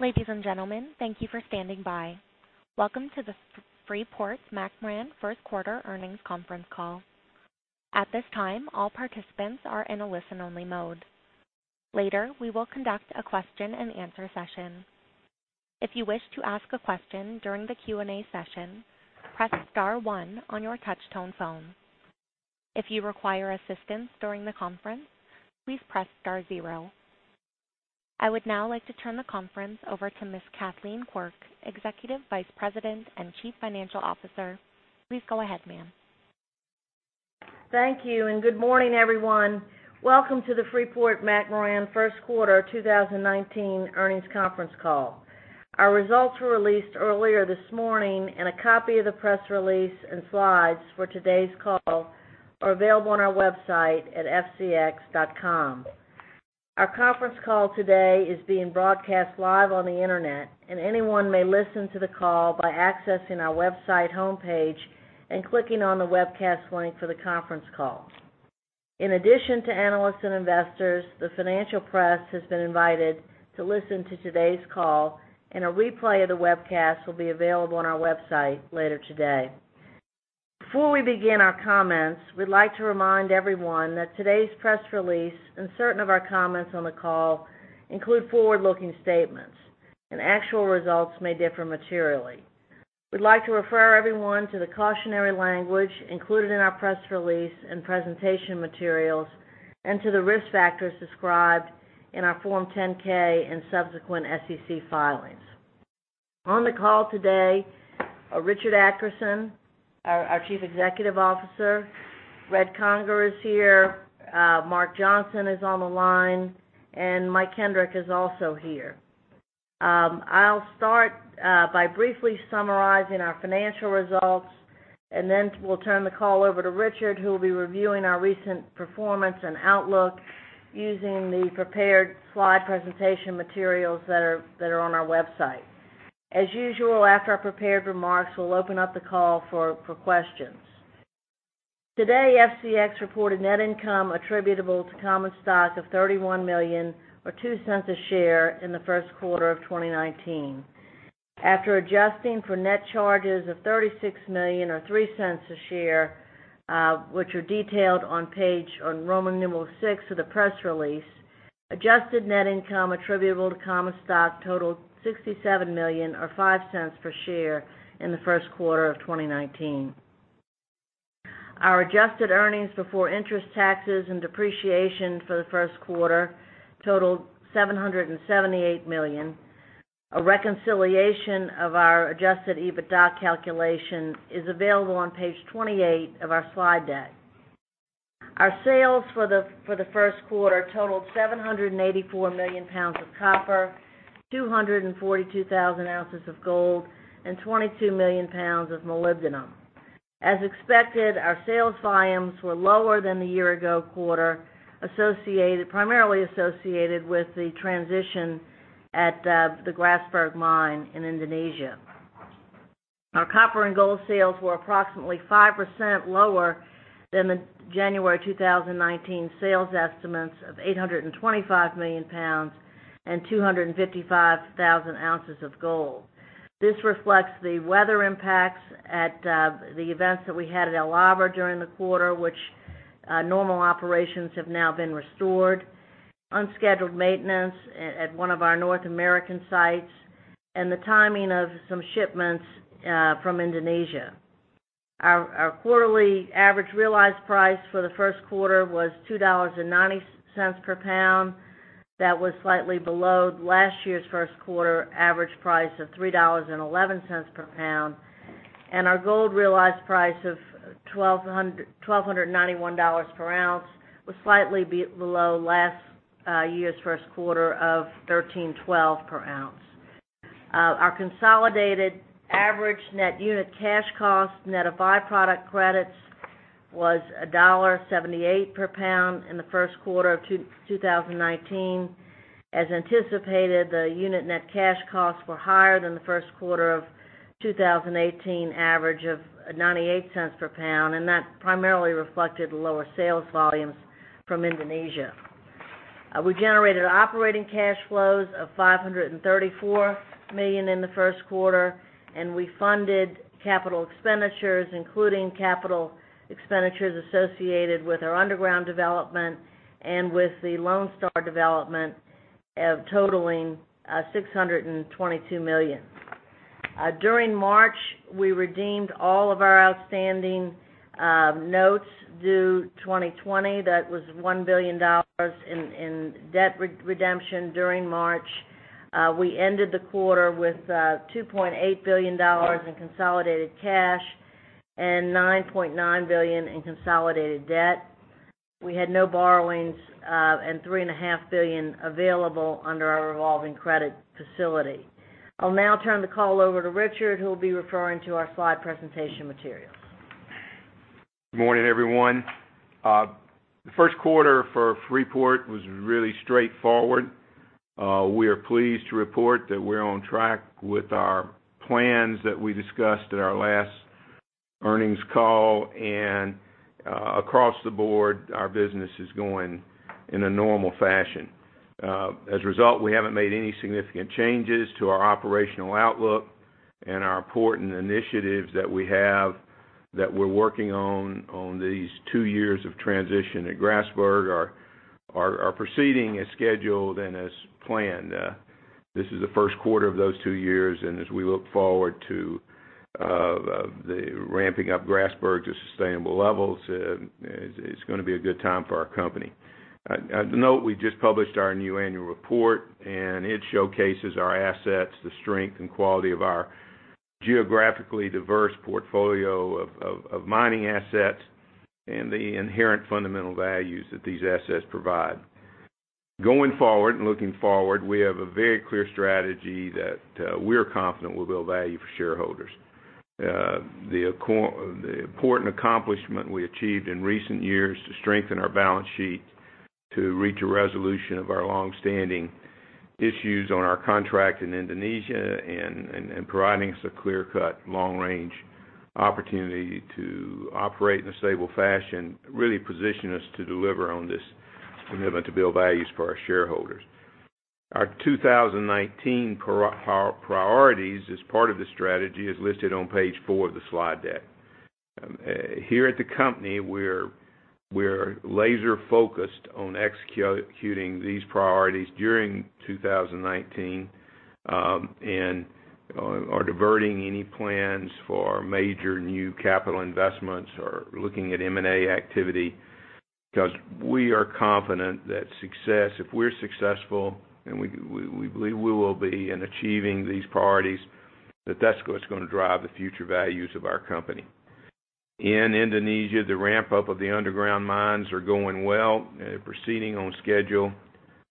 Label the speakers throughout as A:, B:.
A: Ladies and gentlemen, thank you for standing by. Welcome to the Freeport-McMoRan first quarter earnings conference call. At this time, all participants are in a listen-only mode. Later, we will conduct a question-and-answer session. If you wish to ask a question during the Q&A session, press star one on your touchtone phone. If you require assistance during the conference, please press star zero. I would now like to turn the conference over to Ms. Kathleen Quirk, Executive Vice President and Chief Financial Officer. Please go ahead, ma'am.
B: Thank you. Good morning, everyone. Welcome to the Freeport-McMoRan first quarter 2019 earnings conference call. Our results were released earlier this morning, a copy of the press release and slides for today's call are available on our website at fcx.com. Our conference call today is being broadcast live on the internet, anyone may listen to the call by accessing our website homepage and clicking on the webcast link for the conference call. In addition to analysts and investors, the financial press has been invited to listen to today's call, a replay of the webcast will be available on our website later today. Before we begin our comments, we'd like to remind everyone that today's press release and certain of our comments on the call include forward-looking statements, actual results may differ materially. We'd like to refer everyone to the cautionary language included in our press release and presentation materials to the risk factors described in our Form 10-K and subsequent SEC filings. On the call today are Richard Adkerson, our Chief Executive Officer. Red Conger is here. Mark Johnson is on the line, Mike Kendrick is also here. I'll start by briefly summarizing our financial results, then we'll turn the call over to Richard, who will be reviewing our recent performance and outlook using the prepared slide presentation materials that are on our website. As usual, after our prepared remarks, we'll open up the call for questions. Today, FCX reported net income attributable to common stock of $31 million or $0.02 a share in the first quarter of 2019. After adjusting for net charges of $36 million or $0.03 a share, which are detailed on page Roman numeral six of the press release, adjusted net income attributable to common stock totaled $67 million or $0.05 per share in the first quarter of 2019. Our adjusted earnings before interest, taxes, and depreciation for the first quarter totaled $778 million. A reconciliation of our adjusted EBITDA calculation is available on page 28 of our slide deck. Our sales for the first quarter totaled 784 million pounds of copper, 242,000 ounces of gold, 22 million pounds of molybdenum. As expected, our sales volumes were lower than the year-ago quarter, primarily associated with the transition at the Grasberg mine in Indonesia. Our copper and gold sales were approximately 5% lower than the January 2019 sales estimates of 825 million pounds 255,000 ounces of gold. This reflects the weather impacts at the events that we had at El Abra during the quarter, which normal operations have now been restored, unscheduled maintenance at one of our North American sites, and the timing of some shipments from Indonesia. Our quarterly average realized price for the first quarter was $2.90 per pound. That was slightly below last year's first quarter average price of $3.11 per pound. Our gold realized price of $1,291 per ounce was slightly below last year's first quarter of $1,312 per ounce. Our consolidated average net unit cash cost net of byproduct credits was $1.78 per pound in the first quarter of 2019. As anticipated, the unit net cash costs were higher than the first quarter of 2018 average of $0.98 per pound. That primarily reflected lower sales volumes from Indonesia. We generated operating cash flows of $534 million in the first quarter. We funded capital expenditures, including capital expenditures associated with our underground development and with the Lone Star development totaling $622 million. During March, we redeemed all of our outstanding notes due 2020. That was $1 billion in debt redemption during March. We ended the quarter with $2.8 billion in consolidated cash and $9.9 billion in consolidated debt. We had no borrowings and $3.5 billion available under our revolving credit facility. I'll now turn the call over to Richard, who will be referring to our slide presentation materials.
C: Good morning, everyone. The first quarter for Freeport was really straightforward. We are pleased to report that we're on track with our plans that we discussed at our last earnings call. Across the board, our business is going in a normal fashion. As a result, we haven't made any significant changes to our operational outlook. Our important initiatives that we have that we're working on these two years of transition at Grasberg, are proceeding as scheduled and as planned. This is the first quarter of those two years. As we look forward to the ramping up Grasberg to sustainable levels, it's going to be a good time for our company. As a note, we just published our new annual report. It showcases our assets, the strength and quality of our geographically diverse portfolio of mining assets, and the inherent fundamental values that these assets provide. Going forward, looking forward, we have a very clear strategy that we're confident will build value for shareholders. The important accomplishment we achieved in recent years to strengthen our balance sheet to reach a resolution of our longstanding issues on our contract in Indonesia, providing us a clear-cut long-range opportunity to operate in a stable fashion, really position us to deliver on this commitment to build values for our shareholders. Our 2019 priorities as part of this strategy is listed on page four of the slide deck. Here at the company, we're laser-focused on executing these priorities during 2019. We are diverting any plans for major new capital investments or looking at M&A activity because we are confident that if we're successful, we believe we will be in achieving these priorities, that that's what's going to drive the future values of our company. In Indonesia, the ramp-up of the underground mines are going well. They're proceeding on schedule.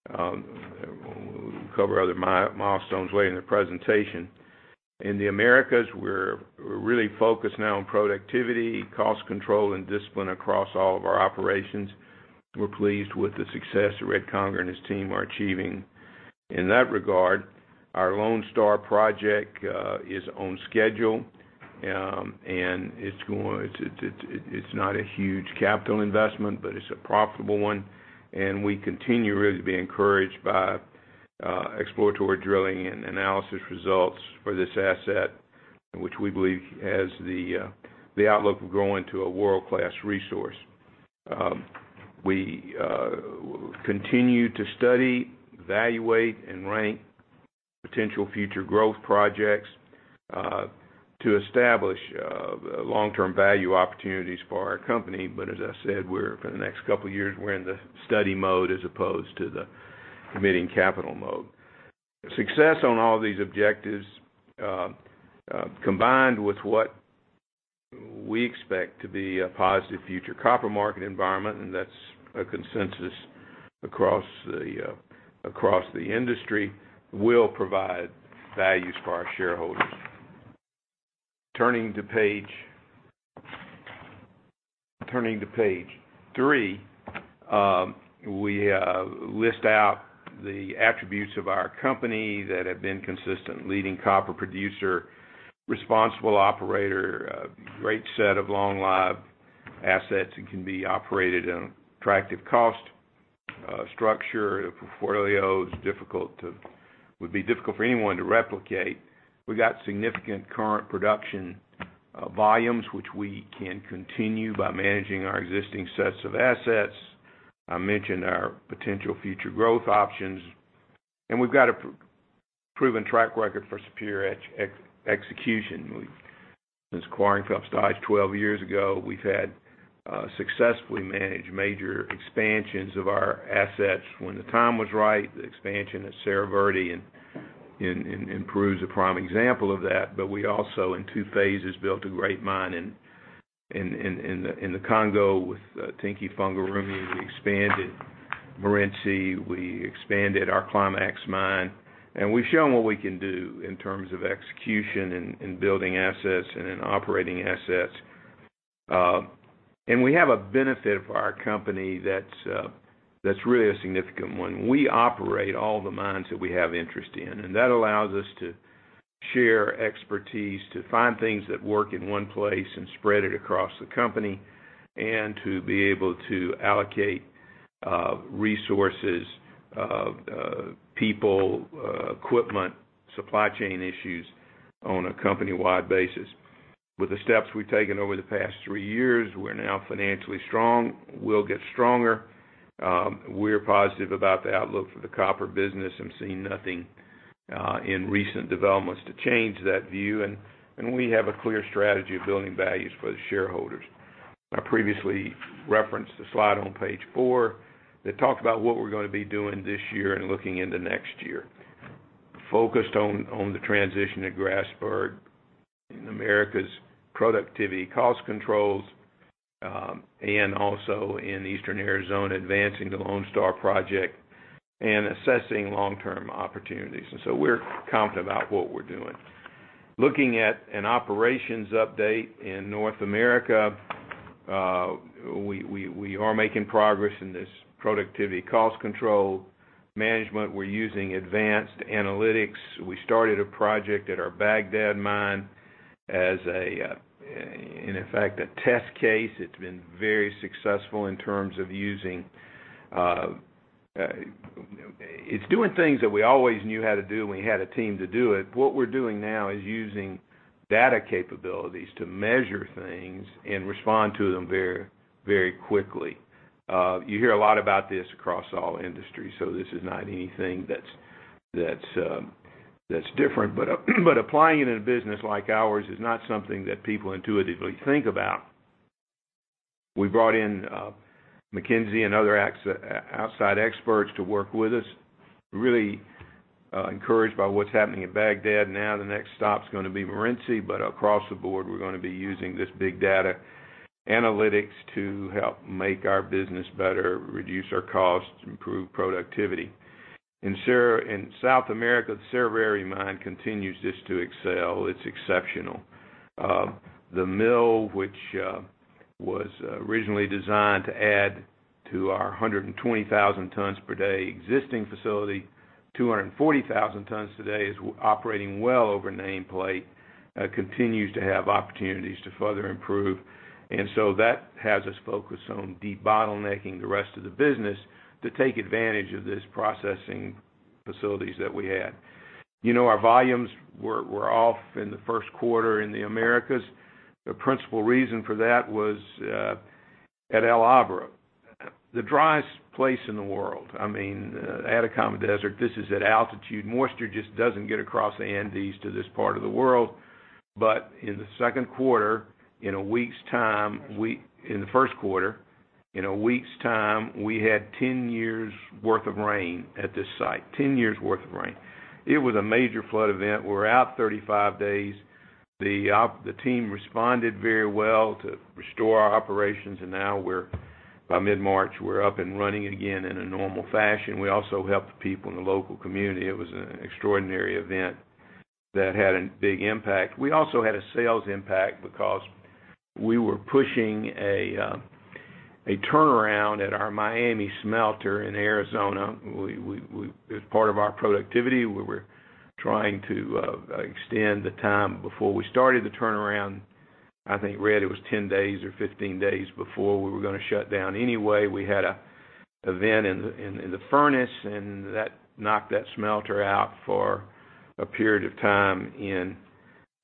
C: We'll cover other milestones later in the presentation. In the Americas, we're really focused now on productivity, cost control, and discipline across all of our operations. We're pleased with the success that Red Conger and his team are achieving. In that regard, our Lone Star project is on schedule. It's not a huge capital investment, but it's a profitable one. We continue really to be encouraged by exploratory drilling and analysis results for this asset, which we believe has the outlook of growing to a world-class resource. We continue to study, evaluate, and rank potential future growth projects to establish long-term value opportunities for our company. As I said, for the next couple of years, we're in the study mode as opposed to the committing capital mode. Success on all these objectives, combined with what we expect to be a positive future copper market environment, that's a consensus across the industry, will provide values for our shareholders. Turning to page three, we list out the attributes of our company that have been consistent. Leading copper producer, responsible operator, great set of long-lived assets that can be operated at an attractive cost structure. The portfolio would be difficult for anyone to replicate. We've got significant current production volumes, which we can continue by managing our existing sets of assets. I mentioned our potential future growth options. We've got a proven track record for superior execution. Since [quarrying] got started 12 years ago, we've successfully managed major expansions of our assets when the time was right. The expansion at Cerro Verde in Peru is a prime example of that. We also, in two phases, built a great mine in the Congo with Tenke Fungurume. We expanded Morenci. We expanded our Climax Mine. We've shown what we can do in terms of execution and building assets and in operating assets. We have a benefit for our company that's really a significant one. We operate all the mines that we have interest in, and that allows us to share expertise, to find things that work in one place and spread it across the company, and to be able to allocate resources, people, equipment, supply chain issues on a company-wide basis. With the steps we've taken over the past three years, we're now financially strong. We'll get stronger. We're positive about the outlook for the copper business and seen nothing in recent developments to change that view, we have a clear strategy of building values for the shareholders. I previously referenced the slide on page four that talked about what we're going to be doing this year and looking into next year. Focused on the transition at Grasberg, in Americas productivity cost controls, and also in eastern Arizona, advancing the Lone Star project and assessing long-term opportunities. We're confident about what we're doing. Looking at an operations update in North America. We are making progress in this productivity cost control management. We're using advanced analytics. We started a project at our Bagdad mine as, in effect, a test case. It's been very successful. It's doing things that we always knew how to do, and we had a team to do it. What we're doing now is using data capabilities to measure things and respond to them very quickly. You hear a lot about this across all industries, this is not anything that's different. Applying it in a business like ours is not something that people intuitively think about. We brought in McKinsey and other outside experts to work with us, really encouraged by what's happening at Bagdad. The next stop's going to be Morenci, across the board, we're going to be using this big data analytics to help make our business better, reduce our costs, improve productivity. In South America, the Cerro Verde mine continues just to excel. It's exceptional. The mill, which was originally designed to add to our 120,000 tons per day existing facility, 240,000 tons today, is operating well over nameplate, continues to have opportunities to further improve. That has us focused on debottlenecking the rest of the business to take advantage of this processing facilities that we had. Our volumes were off in the first quarter in the Americas. The principal reason for that was at El Abra, the driest place in the world. I mean, Atacama Desert, this is at altitude. Moisture just doesn't get across the Andes to this part of the world. In the second quarter, in a week's time, in the first quarter, in a week's time, we had 10 years' worth of rain at this site. 10 years' worth of rain. It was a major flood event. We were out 35 days. The team responded very well to restore our operations, by mid-March, we're up and running again in a normal fashion. We also helped the people in the local community. It was an extraordinary event that had a big impact. We also had a sales impact because we were pushing a turnaround at our Miami smelter in Arizona. As part of our productivity, we were trying to extend the time before we started the turnaround. I think, Red, it was 10 days or 15 days before we were going to shut down anyway. We had an event in the furnace, that knocked that smelter out for a period of time in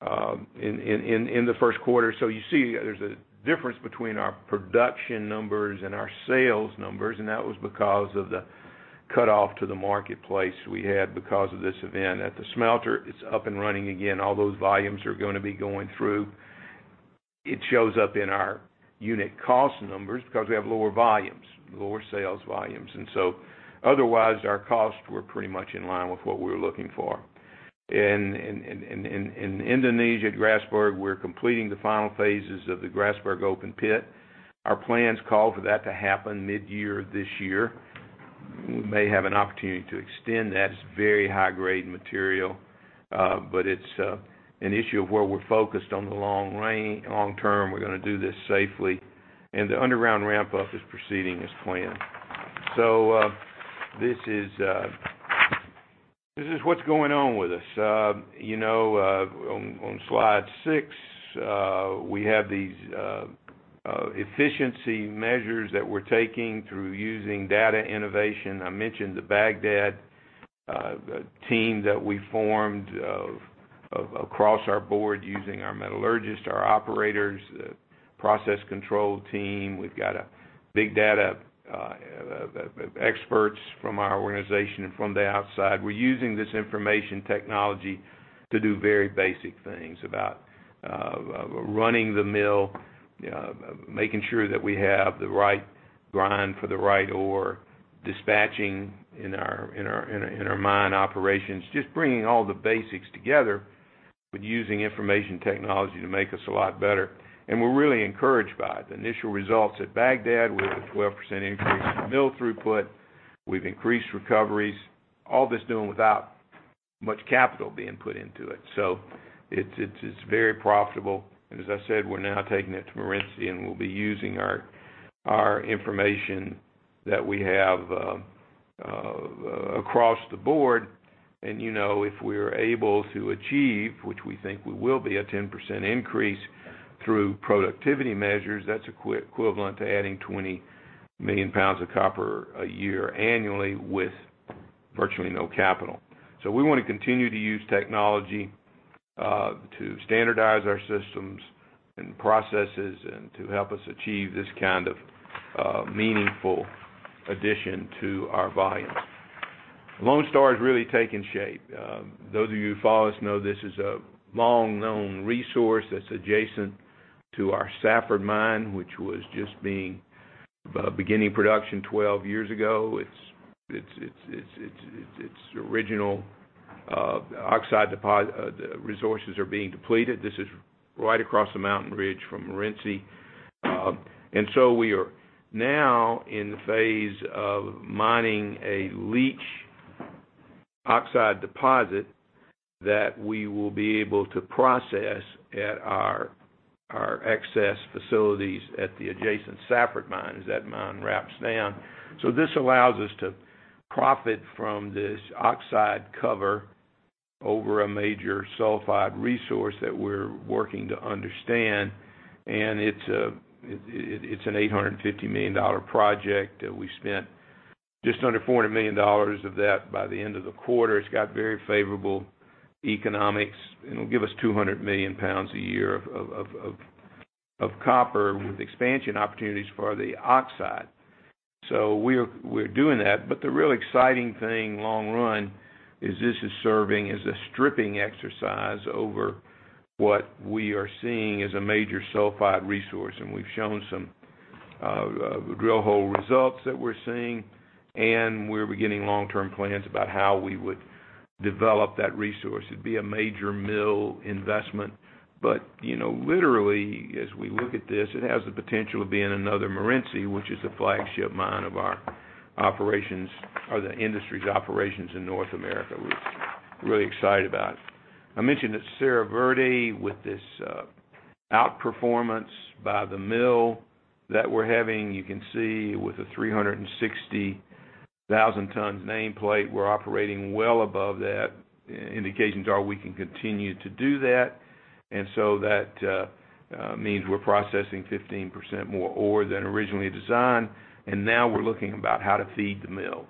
C: the first quarter. You see, there's a difference between our production numbers and our sales numbers, that was because of the cut-off to the marketplace we had because of this event at the smelter. It's up and running again. All those volumes are going to be going through. It shows up in our unit cost numbers because we have lower volumes, lower sales volumes. Otherwise, our costs were pretty much in line with what we were looking for. In Indonesia, Grasberg, we're completing the final phases of the Grasberg open pit. Our plans call for that to happen mid-year this year. We may have an opportunity to extend that. It's very high-grade material. It's an issue of where we're focused on the long-term. We're going to do this safely. The underground ramp-up is proceeding as planned. This is what's going on with us. On slide six, we have these efficiency measures that we're taking through using data innovation. I mentioned the Bagdad team that we formed across our board using our metallurgist, our operators, process control team. We've got big data experts from our organization and from the outside. We're using this information technology to do very basic things about running the mill, making sure that we have the right grind for the right ore, dispatching in our mine operations, just bringing all the basics together, but using information technology to make us a lot better. We're really encouraged by it. The initial results at Bagdad were a 12% increase in mill throughput. We've increased recoveries, all this doing without much capital being put into it. It's very profitable. As I said, we're now taking it to Morenci, and we'll be using our information that we have across the board. If we're able to achieve, which we think we will be, a 10% increase through productivity measures, that's equivalent to adding 20 million pounds of copper a year annually with virtually no capital. We want to continue to use technology to standardize our systems and processes and to help us achieve this kind of meaningful addition to our volumes. Lone Star is really taking shape. Those of you who follow us know this is a long-known resource that's adjacent to our Safford mine, which was just beginning production 12 years ago. Its original oxide resources are being depleted. This is right across the mountain ridge from Morenci. We are now in the phase of mining a leach oxide deposit that we will be able to process at our excess facilities at the adjacent Safford mine as that mine ramps down. This allows us to profit from this oxide cover over a major sulfide resource that we're working to understand, and it's an $850 million project. We spent just under $400 million of that by the end of the quarter. It's got very favorable economics, and it'll give us 200 million pounds a year of copper with expansion opportunities for the oxide. We're doing that. The real exciting thing long run is this is serving as a stripping exercise over what we are seeing as a major sulfide resource, and we've shown some drill hole results that we're seeing, and we're beginning long-term plans about how we would develop that resource. It'd be a major mill investment. Literally, as we look at this, it has the potential of being another Morenci, which is the flagship mine of our operations or the industry's operations in North America. We're really excited about it. I mentioned at Cerro Verde with this outperformance by the mill that we're having. You can see with the 360,000 tons nameplate, we're operating well above that. Indications are we can continue to do that. That means we're processing 15% more ore than originally designed, and now we're looking about how to feed the mill.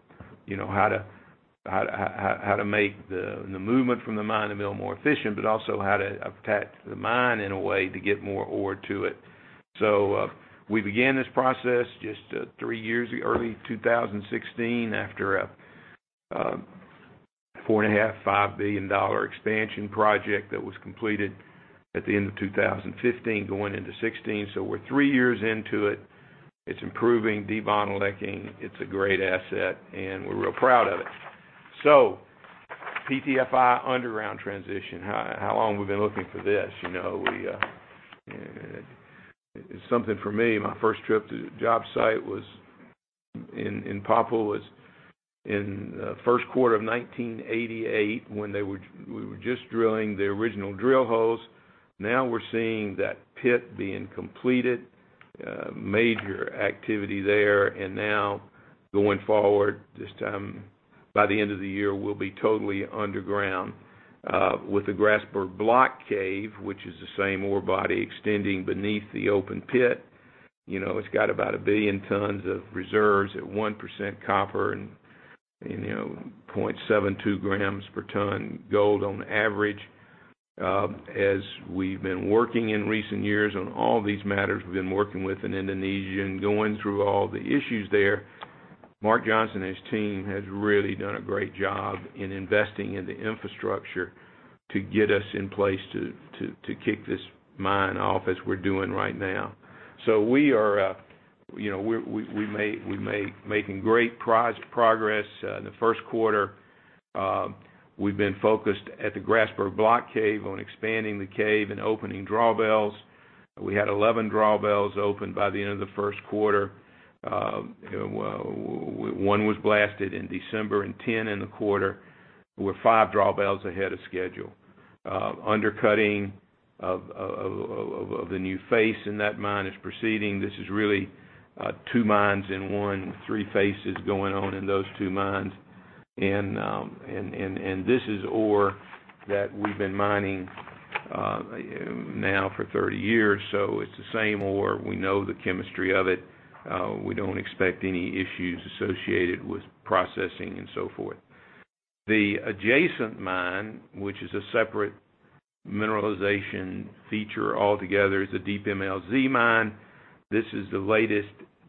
C: How to make the movement from the mine to mill more efficient, but also how to attach the mine in a way to get more ore to it. We began this process just three years, early 2016, after a $4.5 billion-$5 billion expansion project that was completed at the end of 2015 going into 2016. We're three years into it. It's improving day by day. It's a great asset, and we're real proud of it. PT-FI underground transition. How long we've been looking for this? It's something for me. My first trip to the job site in Papua was in first quarter of 1988 when we were just drilling the original drill holes. Now we're seeing that pit being completed, major activity there. Now going forward, by the end of the year, we'll be totally underground, with the Grasberg Block Cave, which is the same ore body extending beneath the open pit. It's got about 1 billion tons of reserves at 1% copper and 0.72 grams per ton gold on average. As we've been working in recent years on all these matters, we've been working with in Indonesia and going through all the issues there. Mark Johnson and his team has really done a great job in investing in the infrastructure to get us in place to kick this mine off as we're doing right now. We're making great progress. In the first quarter, we've been focused at the Grasberg Block Cave on expanding the cave and opening drawbells. We had 11 drawbells open by the end of the first quarter. One was blasted in December and 10 in the quarter. We're five drawbells ahead of schedule. Undercutting of the new face in that mine is proceeding. This is really two mines in one, three faces going on in those two mines. This is ore that we've been mining now for 30 years, so it's the same ore. We know the chemistry of it. We don't expect any issues associated with processing and so forth. The adjacent mine, which is a separate mineralization feature altogether, is a Deep MLZ mine. This is the latest,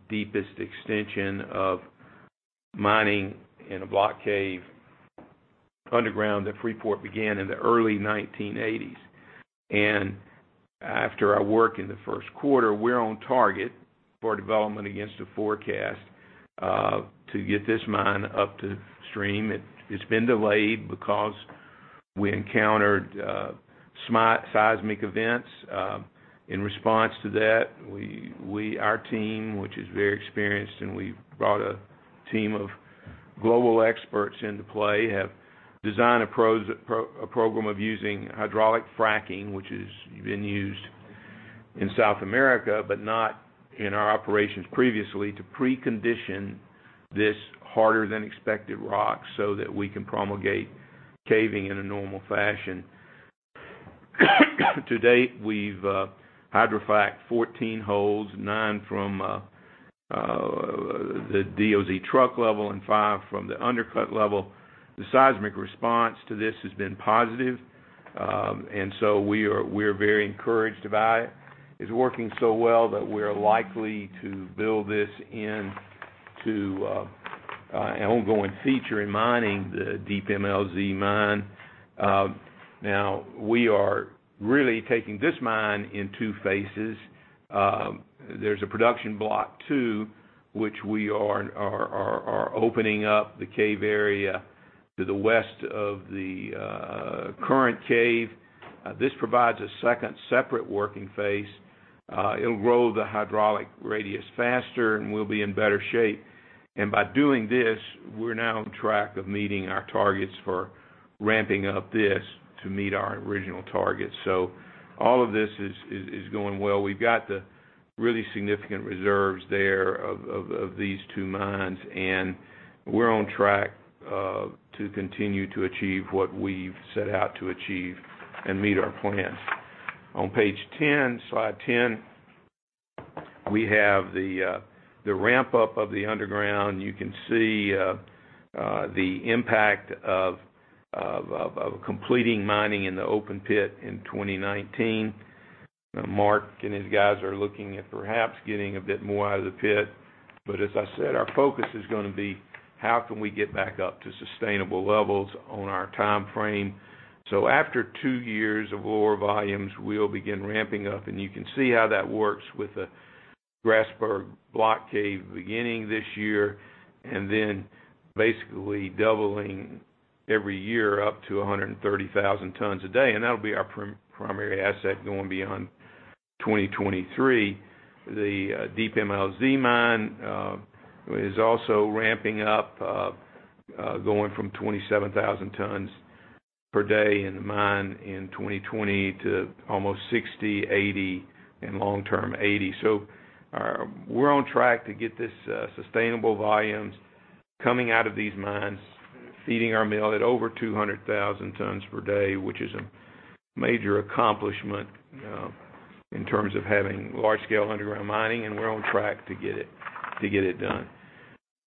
C: deepest extension of mining in a block cave underground that Freeport began in the early 1980s. After our work in the first quarter, we're on target for development against the forecast to get this mine up to stream. It's been delayed because we encountered seismic events. In response to that, our team, which is very experienced, and we've brought a team of global experts into play, have designed a program of using hydraulic fracking, which has been used in South America but not in our operations previously, to precondition this harder than expected rock so that we can promulgate caving in a normal fashion. To date, we've hydrofrac'd 14 holes, 9 from the DOZ truck level and 5 from the undercut level. The seismic response to this has been positive, and so we're very encouraged by it. It's working so well that we're likely to build this into an ongoing feature in mining the Deep MLZ mine. We are really taking this mine in two phases. There's a production block two, which we are opening up the cave area to the west of the current cave. This provides a second separate working face. It'll grow the hydraulic radius faster, and we'll be in better shape. By doing this, we're now on track of meeting our targets for ramping up this to meet our original targets. All of this is going well. We've got the really significant reserves there of these two mines, and we're on track to continue to achieve what we've set out to achieve and meet our plans. On page 10, slide 10, we have the ramp-up of the underground. You can see the impact of completing mining in the open pit in 2019. Mark and his guys are looking at perhaps getting a bit more out of the pit. As I said, our focus is going to be how can we get back up to sustainable levels on our timeframe. After two years of lower volumes, we'll begin ramping up. You can see how that works with the Grasberg Block Cave beginning this year and then basically doubling every year up to 130,000 tons a day. That'll be our primary asset going beyond 2023. The Deep MLZ mine is also ramping up, going from 27,000 tons per day in the mine in 2020 to almost 60,000, 80,000, and long term 80,000. We're on track to get this sustainable volumes coming out of these mines, feeding our mill at over 200,000 tons per day, which is a major accomplishment in terms of having large-scale underground mining, and we're on track to get it done.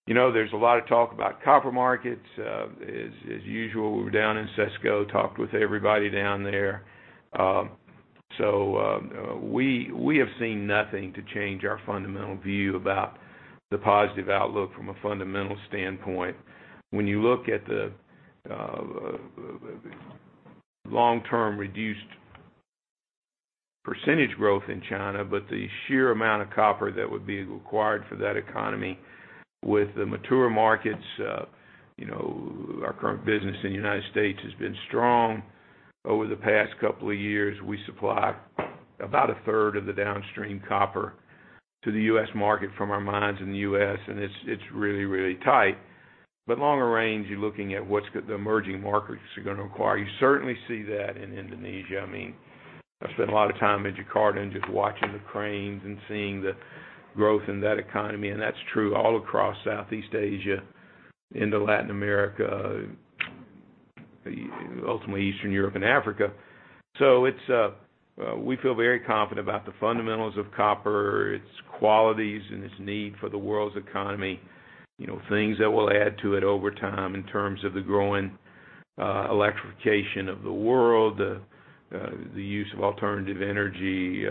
C: There's a lot of talk about copper markets. As usual, we were down in CESCO, talked with everybody down there. We have seen nothing to change our fundamental view about the positive outlook from a fundamental standpoint. When you look at the long-term reduced percentage growth in China, but the sheer amount of copper that would be required for that economy with the mature markets, our current business in the United States has been strong over the past couple of years. We supply about a third of the downstream copper to the U.S. market from our mines in the U.S., and it's really, really tight. Longer range, you're looking at what's the emerging markets are going to require. You certainly see that in Indonesia. I've spent a lot of time in Jakarta and just watching the cranes and seeing the growth in that economy, and that's true all across Southeast Asia into Latin America, ultimately Eastern Europe and Africa. We feel very confident about the fundamentals of copper, its qualities, and its need for the world's economy. Things that will add to it over time in terms of the growing electrification of the world, the use of alternative energy,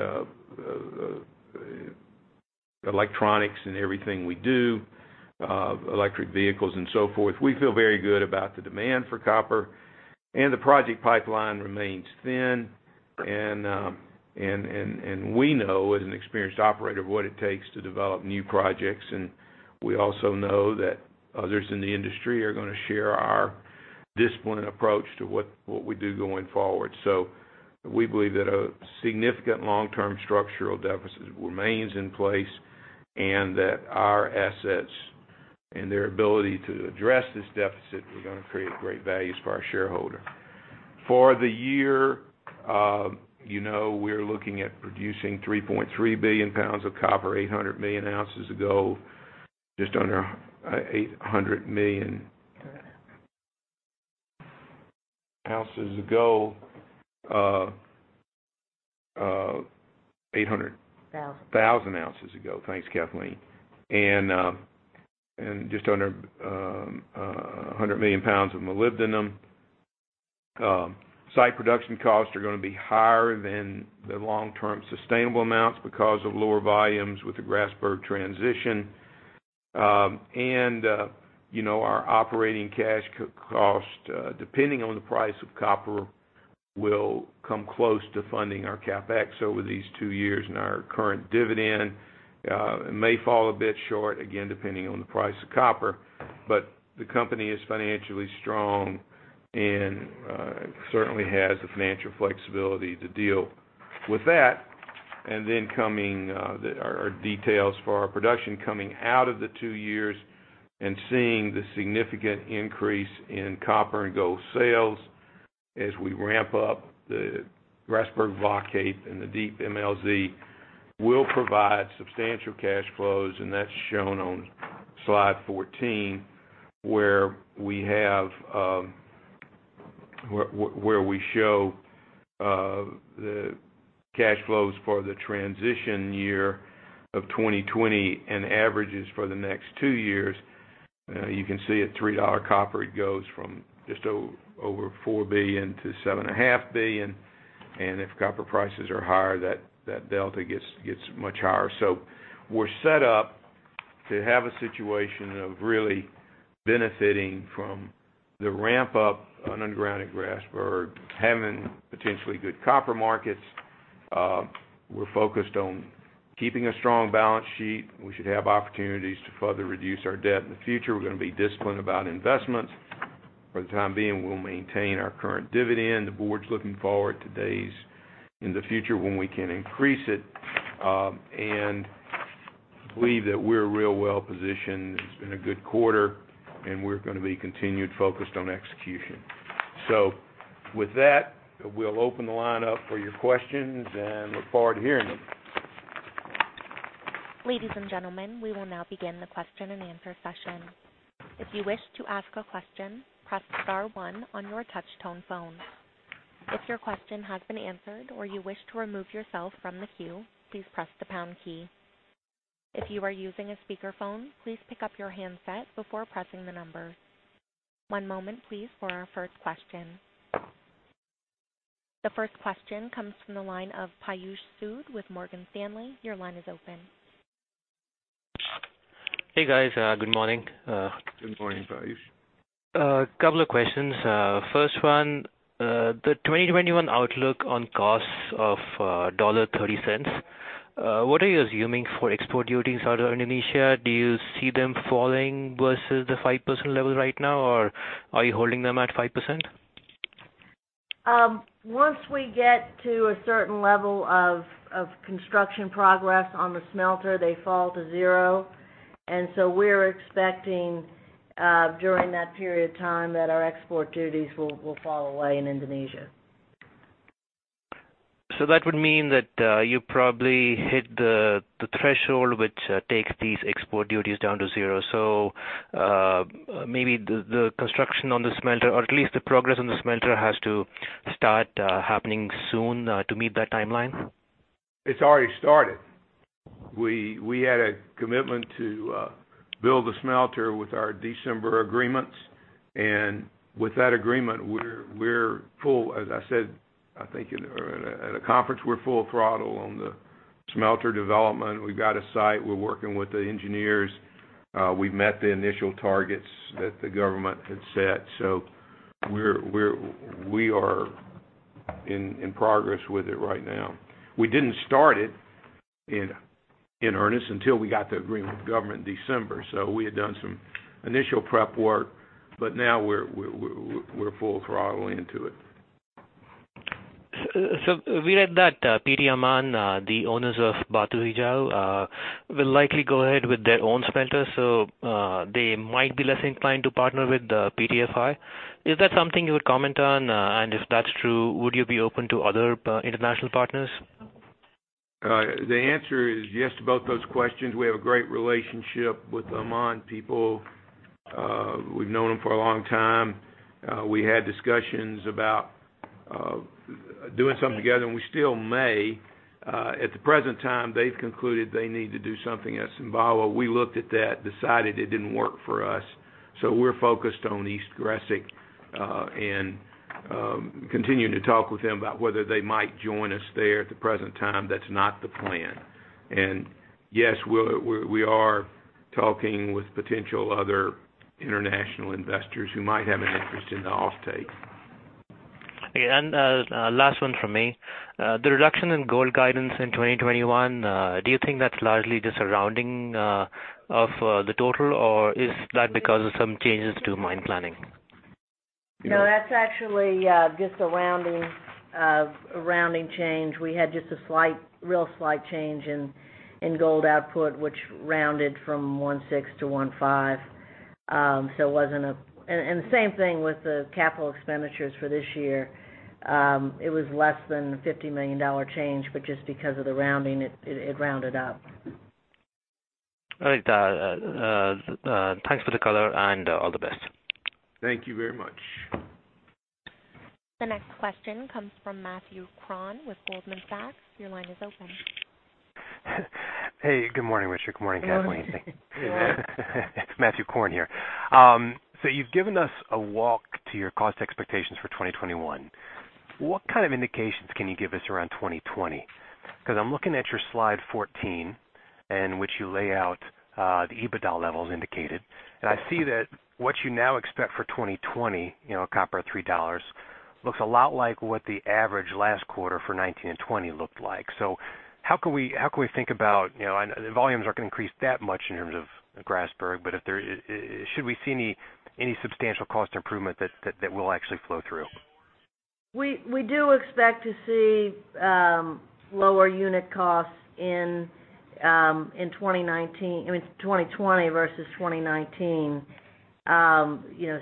C: electronics in everything we do, electric vehicles and so forth. We feel very good about the demand for copper, the project pipeline remains thin. We know as an experienced operator what it takes to develop new projects, and we also know that others in the industry are going to share our disciplined approach to what we do going forward. We believe that a significant long-term structural deficit remains in place and that our assets and their ability to address this deficit are going to create great values for our shareholder. For the year, we're looking at producing 3.3 billion pounds of copper, 800 million ounces of gold, just under 800 million ounces of gold. 800-
B: Thousand.
C: Thousand ounces of gold. Thanks, Kathleen. Just under 100 million pounds of molybdenum. Site production costs are going to be higher than the long-term sustainable amounts because of lower volumes with the Grasberg transition. Our operating cash cost, depending on the price of copper, will come close to funding our CapEx over these 2 years, and our current dividend may fall a bit short, again, depending on the price of copper. The company is financially strong and certainly has the financial flexibility to deal with that. Our details for our production coming out of the 2 years and seeing the significant increase in copper and gold sales as we ramp up the Grasberg Block Cave and the Deep MLZ will provide substantial cash flows. That's shown on slide 14, where we show the cash flows for the transition year of 2020 and averages for the next two years. You can see at $3 copper, it goes from just over $4 billion to $7 and a half billion. If copper prices are higher, that delta gets much higher. We're set up to have a situation of really benefiting from the ramp-up on underground at Grasberg, having potentially good copper markets. We're focused on keeping a strong balance sheet. We should have opportunities to further reduce our debt in the future. We're going to be disciplined about investments. For the time being, we'll maintain our current dividend. The board's looking forward to days in the future when we can increase it, and believe that we're real well-positioned. It's been a good quarter, and we're going to be continually focused on execution. With that, we'll open the line up for your questions and look forward to hearing them.
A: Ladies and gentlemen, we will now begin the question and answer session. If you wish to ask a question, press star one on your touch-tone phone. If your question has been answered or you wish to remove yourself from the queue, please press the pound key. If you are using a speakerphone, please pick up your handset before pressing the numbers. One moment please for our first question. The first question comes from the line of Piyush Sood with Morgan Stanley. Your line is open.
D: Hey, guys. Good morning.
C: Good morning, Piyush.
D: A couple of questions. First one, the 2021 outlook on costs of $1.30. What are you assuming for export duties out of Indonesia? Do you see them falling versus the 5% level right now, or are you holding them at 5%?
B: Once we get to a certain level of construction progress on the smelter, they fall to zero, and so we're expecting, during that period of time, that our export duties will fall away in Indonesia.
D: That would mean that you probably hit the threshold, which takes these export duties down to zero. Maybe the construction on the smelter, or at least the progress on the smelter, has to start happening soon to meet that timeline?
C: It's already started. We had a commitment to build the smelter with our December agreements. With that agreement, we're full, as I said, I think at a conference, we're full throttle on the smelter development. We've got a site. We're working with the engineers. We've met the initial targets that the government had set. We are in progress with it right now. We didn't start it in earnest until we got the agreement with the government in December. We had done some initial prep work, but now we're full throttle into it.
D: We read that PT Amman, the owners of Batu Hijau, will likely go ahead with their own smelter, so they might be less inclined to partner with PT-FI. Is that something you would comment on? If that's true, would you be open to other international partners?
C: The answer is yes to both those questions. We have a great relationship with the Amman people. We've known them for a long time. We had discussions about doing something together, and we still may. At the present time, they've concluded they need to do something at Sumbawa. We looked at that, decided it didn't work for us. We're focused on East Gresik, and continuing to talk with them about whether they might join us there. At the present time, that's not the plan. Yes, we are talking with potential other international investors who might have an interest in the offtake.
D: Okay. Last one from me. The reduction in gold guidance in 2021, do you think that's largely just a rounding of the total, or is that because of some changes to mine planning?
B: No, that's actually just a rounding change. We had just a real slight change in gold output, which rounded from one six to one five. The same thing with the capital expenditures for this year. It was less than a $50 million change, but just because of the rounding, it rounded up.
D: All right. Thanks for the color, and all the best.
C: Thank you very much.
A: The next question comes from Matthew Korn with Goldman Sachs. Your line is open.
E: Hey, good morning, Richard. Good morning, Kathleen.
C: Good morning.
E: It's Matthew Korn here. You've given us a walk to your cost expectations for 2021. What kind of indications can you give us around 2020? Because I'm looking at your slide 14, in which you lay out the EBITDA levels indicated. I see that what you now expect for 2020, copper at $3, looks a lot like what the average last quarter for 2019 and 2020 looked like. How can we think about? The volumes aren't going to increase that much in terms of Grasberg, but should we see any substantial cost improvement that will actually flow through?
B: We do expect to see lower unit costs in 2020 versus 2019.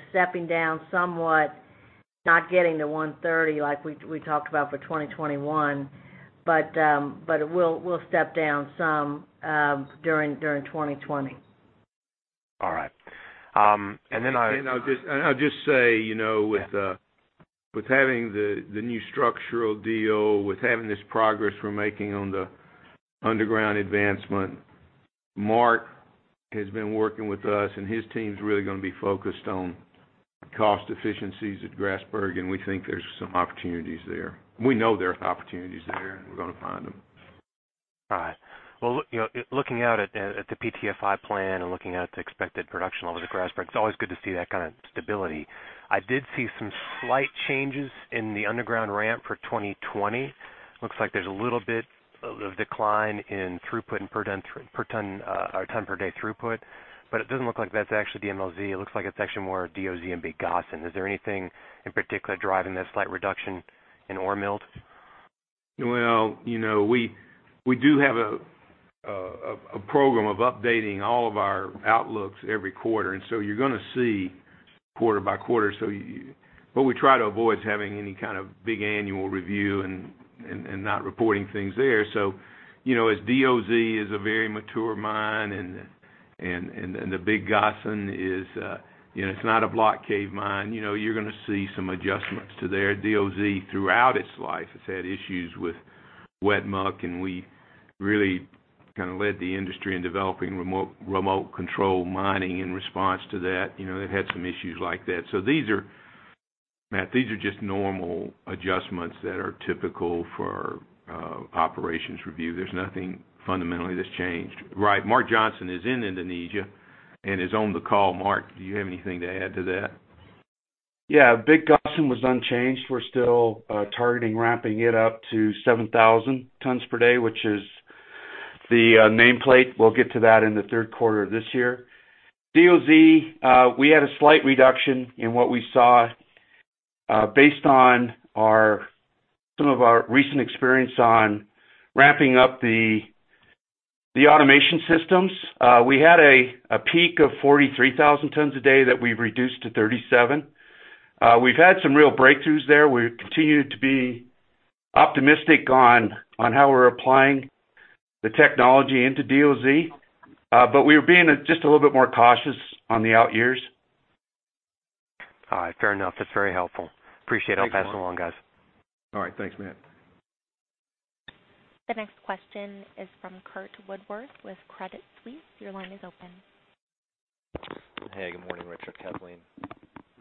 B: Stepping down somewhat, not getting to $1.30 like we talked about for 2021, but it will step down some during 2020.
E: All right.
C: I'll just say, with having the new structural deal, with having this progress we're making on the underground advancement, Mark has been working with us, and his team's really going to be focused on cost efficiencies at Grasberg, and we think there's some opportunities there. We know there are opportunities there, and we're going to find them.
E: All right. Well, looking out at the PT-FI plan and looking out at the expected production level at Grasberg, it's always good to see that kind of stability. I did see some slight changes in the underground ramp for 2020. Looks like there's a little bit of decline in throughput and ton per day throughput, but it doesn't look like that's actually the MLZ. It looks like it's actually more DOZ and Big Gossan. Is there anything in particular driving that slight reduction in ore milled?
C: Well, we do have a program of updating all of our outlooks every quarter. You're going to see quarter by quarter, what we try to avoid is having any kind of big annual review and not reporting things there. As DOZ is a very mature mine and the Big Gossan is not a block cave mine, you're going to see some adjustments to there. DOZ, throughout its life, has had issues with wet muck, and we really kind of led the industry in developing remote control mining in response to that. They've had some issues like that. These are just normal adjustments that are typical for operations review. There's nothing fundamentally that's changed. Right. Mark Johnson is in Indonesia and is on the call. Mark, do you have anything to add to that?
F: Big Gossan was unchanged. We're still targeting ramping it up to 7,000 tons per day, which is the nameplate. We'll get to that in the third quarter of this year. DOZ, we had a slight reduction in what we saw based on some of our recent experience on ramping up the automation systems. We had a peak of 43,000 tons a day that we've reduced to 37. We've had some real breakthroughs there. We continue to be optimistic on how we're applying the technology into DOZ. We are being just a little bit more cautious on the out years.
E: Fair enough. That's very helpful. Appreciate it.
C: Thanks, Mark.
E: I'll pass it along, guys.
C: All right. Thanks, Matt.
A: The next question is from Curt Woodworth with Credit Suisse. Your line is open.
G: Hey, good morning, Richard, Kathleen.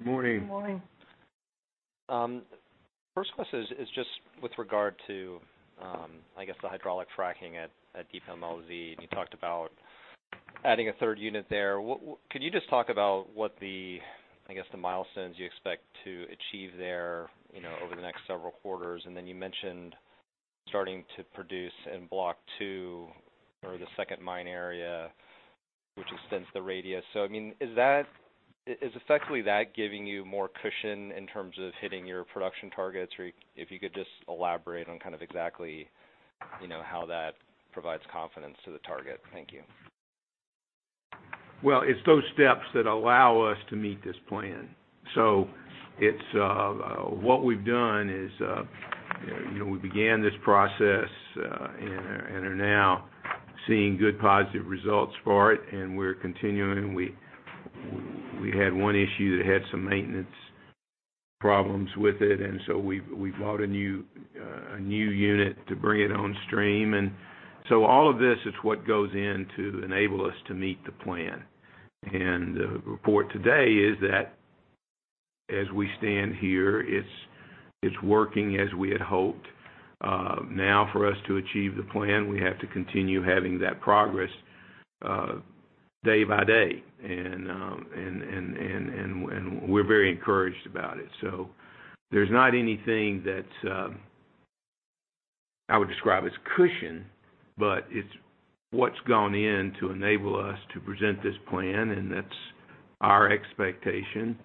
C: Morning. Good morning.
G: First question is just with regard to, I guess, the hydraulic fracking at Deep MLZ, and you talked about adding a third unit there. Could you just talk about what the, I guess, the milestones you expect to achieve there over the next several quarters? Then you mentioned starting to produce in block 2 or the second mine area, which extends the radius. I mean, is effectively that giving you more cushion in terms of hitting your production targets, or if you could just elaborate on kind of exactly how that provides confidence to the target. Thank you.
C: Well, it's those steps that allow us to meet this plan. What we've done is we began this process and are now seeing good positive results for it, and we're continuing. We had one issue that had some maintenance problems with it, and so we bought a new unit to bring it on stream. All of this is what goes in to enable us to meet the plan. The report today is that as we stand here, it's working as we had hoped. Now for us to achieve the plan, we have to continue having that progress day by day. We're very encouraged about it. There's not anything that I would describe as cushion, but it's what's gone in to enable us to present this plan, and that's our expectation.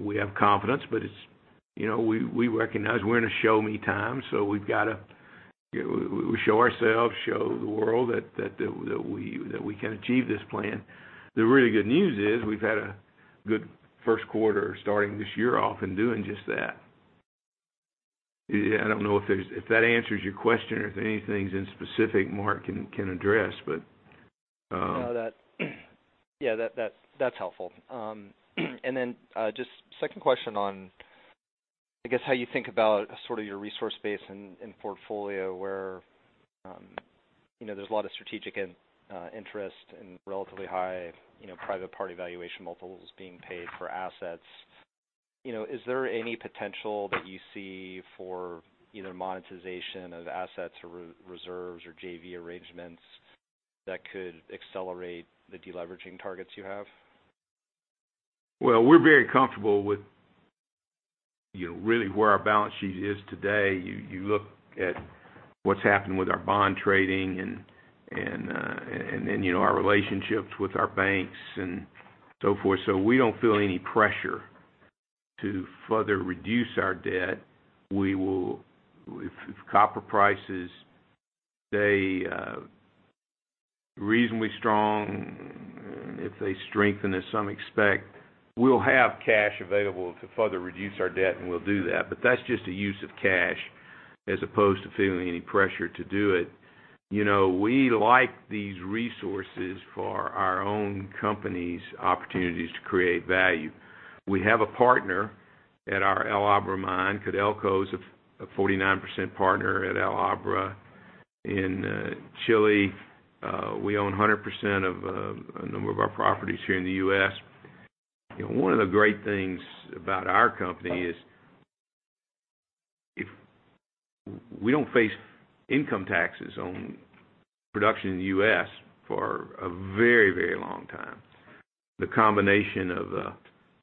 C: We have confidence, but we recognize we're in a show me time, so we show ourselves, show the world that we can achieve this plan. The really good news is we've had a good first quarter starting this year off and doing just that. I don't know if that answers your question or if anything's in specific Mark can address.
G: No, that's helpful. Just second question on, I guess, how you think about sort of your resource base and portfolio where there's a lot of strategic interest and relatively high private party valuation multiples being paid for assets. Is there any potential that you see for either monetization of assets or reserves or JV arrangements that could accelerate the deleveraging targets you have?
C: Well, we're very comfortable with really where our balance sheet is today. You look at what's happened with our bond trading, our relationships with our banks and so forth. We don't feel any pressure to further reduce our debt. If copper prices stay reasonably strong, if they strengthen as some expect, we'll have cash available to further reduce our debt, and we'll do that. That's just a use of cash as opposed to feeling any pressure to do it. We like these resources for our own company's opportunities to create value. We have a partner at our El Abra mine. Codelco's a 49% partner at El Abra in Chile. We own 100% of a number of our properties here in the U.S. One of the great things about our company is we don't face income taxes on production in the U.S. for a very long time. The combination of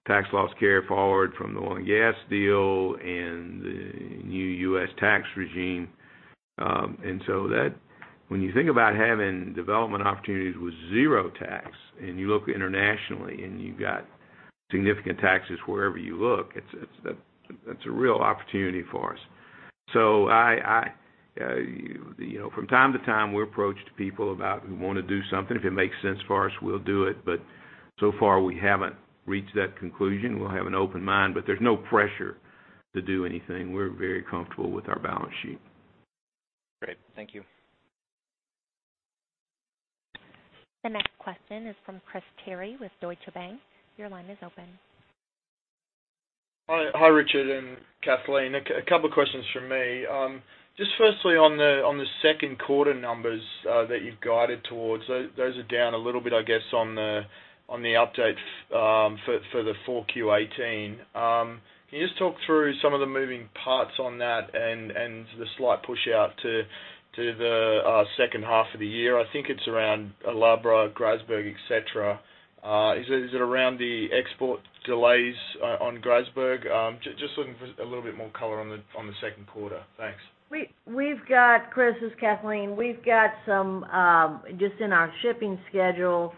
C: tax loss carryforward from the oil and gas deal and the new U.S. tax regime. When you think about having development opportunities with zero tax and you look internationally and you've got significant taxes wherever you look, that's a real opportunity for us. From time to time, we're approached to people about who want to do something. If it makes sense for us, we'll do it, so far we haven't reached that conclusion. We'll have an open mind, there's no pressure to do anything. We're very comfortable with our balance sheet.
G: Great. Thank you.
A: The next question is from Christopher Terry with Deutsche Bank. Your line is open.
H: Hi, Richard and Kathleen. A couple questions from me. Firstly, on the second quarter numbers that you've guided towards, those are down a little bit, I guess, on the update for the full Q 2018. Can you just talk through some of the moving parts on that and the slight push-out to the second half of the year? I think it's around El Abra, Grasberg, et cetera. Is it around the export delays on Grasberg? Looking for a little bit more color on the second quarter. Thanks.
B: Chris, it's Kathleen. In our shipping schedule,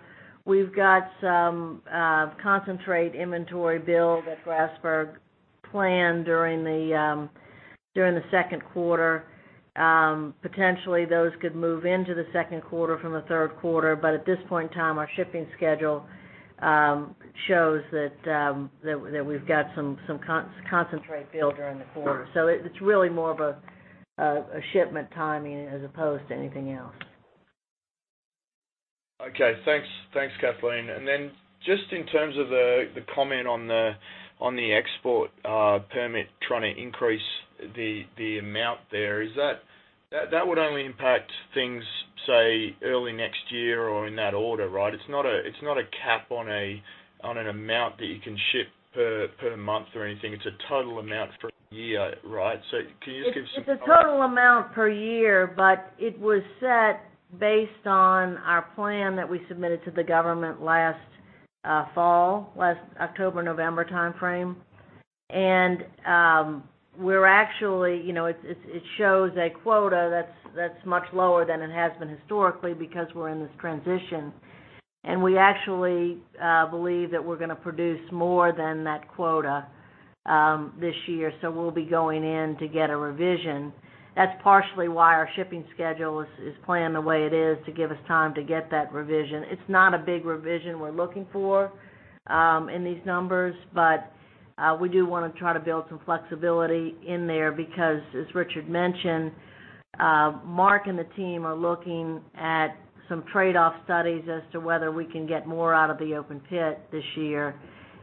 B: we've got some concentrate inventory build at Grasberg planned during the second quarter. Potentially, those could move into the second quarter from the third quarter. At this point in time, our shipping schedule shows that we've got some concentrate build during the quarter. It's really more of a shipment timing as opposed to anything else.
H: Okay. Thanks, Kathleen. In terms of the comment on the export permit, trying to increase the amount there, that would only impact things, say, early next year or in that order, right? It's not a cap on an amount that you can ship per month or anything. It's a total amount for a year, right? Can you just give some color?
B: It's a total amount per year. It was set based on our plan that we submitted to the government last fall, last October-November timeframe. It shows a quota that's much lower than it has been historically because we're in this transition. We actually believe that we're going to produce more than that quota this year, so we'll be going in to get a revision. That's partially why our shipping schedule is planned the way it is to give us time to get that revision. It's not a big revision we're looking for in these numbers. We do want to try to build some flexibility in there because, as Richard mentioned, Mark and the team are looking at some trade-off studies as to whether we can get more out of the open pit this year.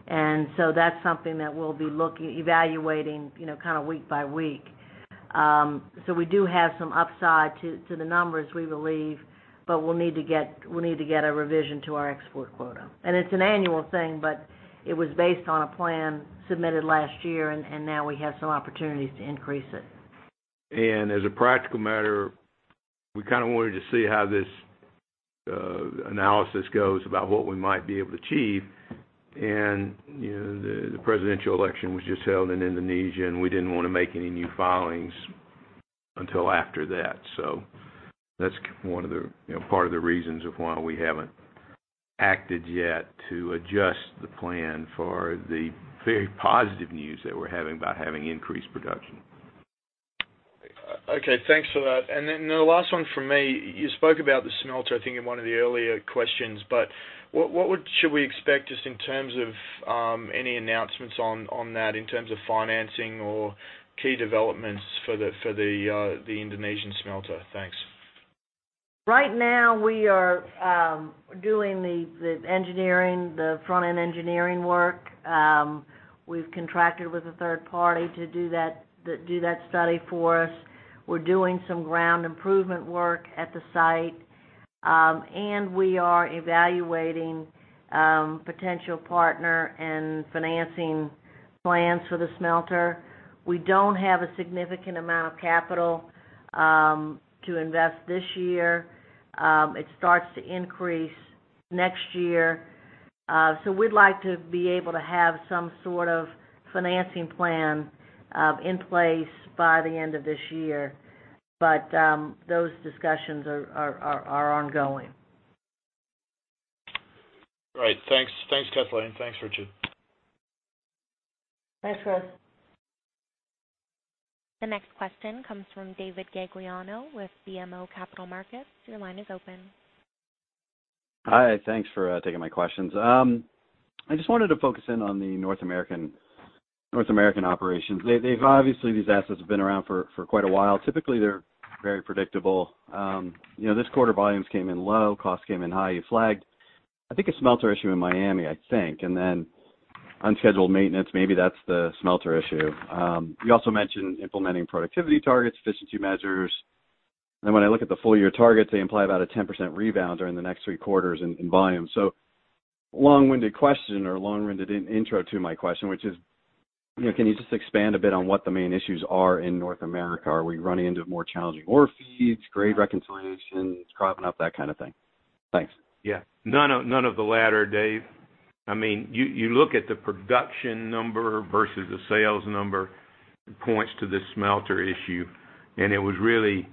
B: That's something that we'll be evaluating week by week. We do have some upside to the numbers we believe, but we'll need to get a revision to our export quota. It's an annual thing, but it was based on a plan submitted last year, now we have some opportunities to increase it.
C: As a practical matter, we kind of wanted to see how this analysis goes about what we might be able to achieve. The presidential election was just held in Indonesia, we didn't want to make any new filings until after that. That's part of the reasons of why we haven't acted yet to adjust the plan for the very positive news that we're having about having increased production.
H: Okay, thanks for that. The last one from me, you spoke about the smelter, I think, in one of the earlier questions, but what should we expect just in terms of any announcements on that in terms of financing or key developments for the Indonesian smelter? Thanks.
B: Right now, we are doing the front-end engineering work. We've contracted with a third party to do that study for us. We're doing some ground improvement work at the site. We are evaluating potential partner and financing plans for the smelter. We don't have a significant amount of capital to invest this year. It starts to increase next year. We'd like to be able to have some sort of financing plan in place by the end of this year. Those discussions are ongoing.
H: All right. Thanks, Kathleen. Thanks, Richard.
B: Thanks, Chris.
A: The next question comes from David Gagliano with BMO Capital Markets. Your line is open.
I: Hi. Thanks for taking my questions. I just wanted to focus in on the North American operations. Obviously, these assets have been around for quite a while. Typically, they're very predictable. This quarter, volumes came in low, costs came in high. You flagged, I think, a smelter issue in Miami, I think, and then unscheduled maintenance, maybe that's the smelter issue. You also mentioned implementing productivity targets, efficiency measures. When I look at the full-year targets, they imply about a 10% rebound during the next three quarters in volume. Long-winded question or long-winded intro to my question, which is, can you just expand a bit on what the main issues are in North America? Are we running into more challenging ore feeds, grade reconciliations, cropping up, that kind of thing? Thanks.
C: Yeah. None of the latter, Dave. You look at the production number versus the sales number points to the smelter issue. It was really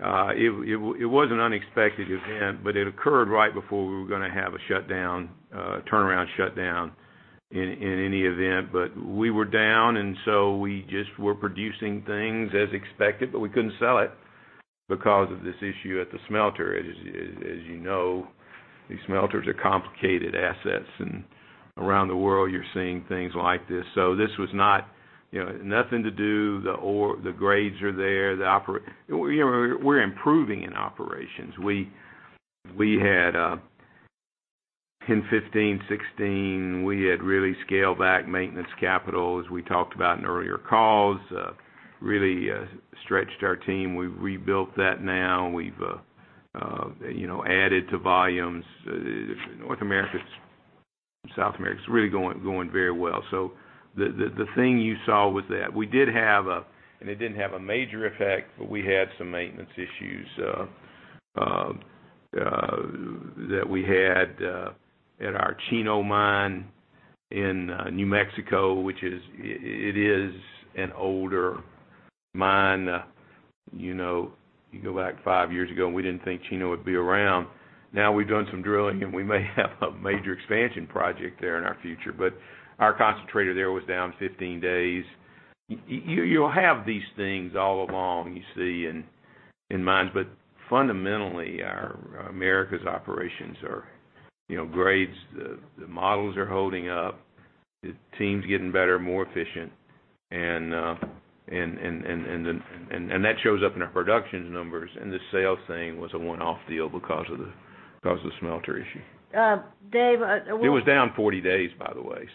C: an unexpected event, but it occurred right before we were going to have a turnaround shutdown in any event. We were down, and we just were producing things as expected, but we couldn't sell it because of this issue at the smelter. As you know, these smelters are complicated assets, and around the world you're seeing things like this. This was nothing to do. The grades are there. We're improving in operations. In 2015, 2016, we had really scaled back maintenance capital, as we talked about in earlier calls. Really stretched our team. We've rebuilt that now. We've added to volumes. North America, South America, it's really going very well. The thing you saw was that. We did have a, it didn't have a major effect, we had some maintenance issues that we had at our Chino mine in New Mexico, which it is an older mine. You go back five years ago, we didn't think Chino would be around. Now we've done some drilling, we may have a major expansion project there in our future. Our concentrator there was down 15 days. You'll have these things all along, you see in mines. Fundamentally, our America's operations are grades. The models are holding up. The team's getting better, more efficient. That shows up in our production numbers. The sales thing was a one-off deal because of the smelter issue.
B: Dave.
C: It was down 40 days, by the way.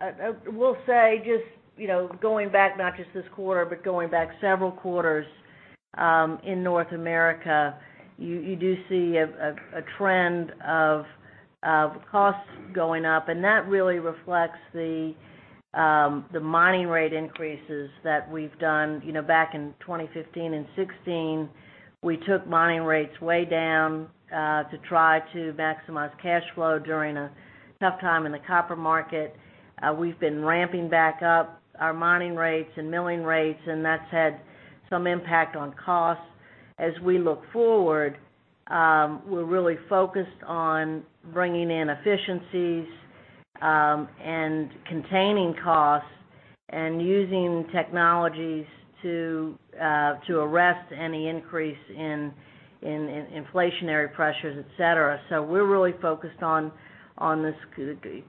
B: I will say, just going back, not just this quarter, but going back several quarters, in North America, you do see a trend of costs going up, and that really reflects the mining rate increases that we've done. Back in 2015 and 2016, we took mining rates way down, to try to maximize cash flow during a tough time in the copper market. We've been ramping back up our mining rates and milling rates, and that's had some impact on costs. As we look forward, we're really focused on bringing in efficiencies, and containing costs, and using technologies to arrest any increase in inflationary pressures, et cetera. We're really focused on this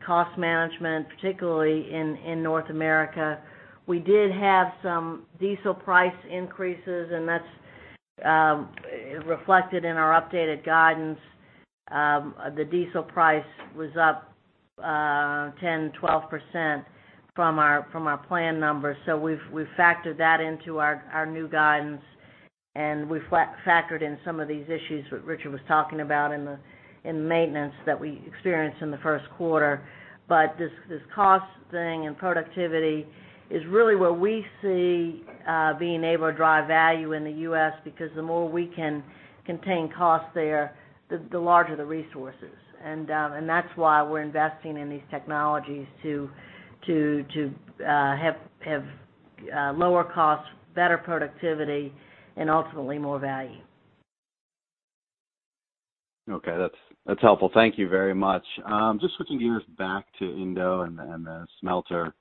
B: cost management, particularly in North America. We did have some diesel price increases, and that's reflected in our updated guidance. The diesel price was up 10, 12% from our plan numbers. We've factored that into our new guidance, and we factored in some of these issues that Richard was talking about in maintenance that we experienced in the first quarter. This cost thing and productivity is really where we see being able to drive value in the U.S. because the more we can contain costs there, the larger the resources. That's why we're investing in these technologies to have lower costs, better productivity, and ultimately more value.
I: Okay. That's helpful. Thank you very much. Just switching gears back to Indo and the smelter.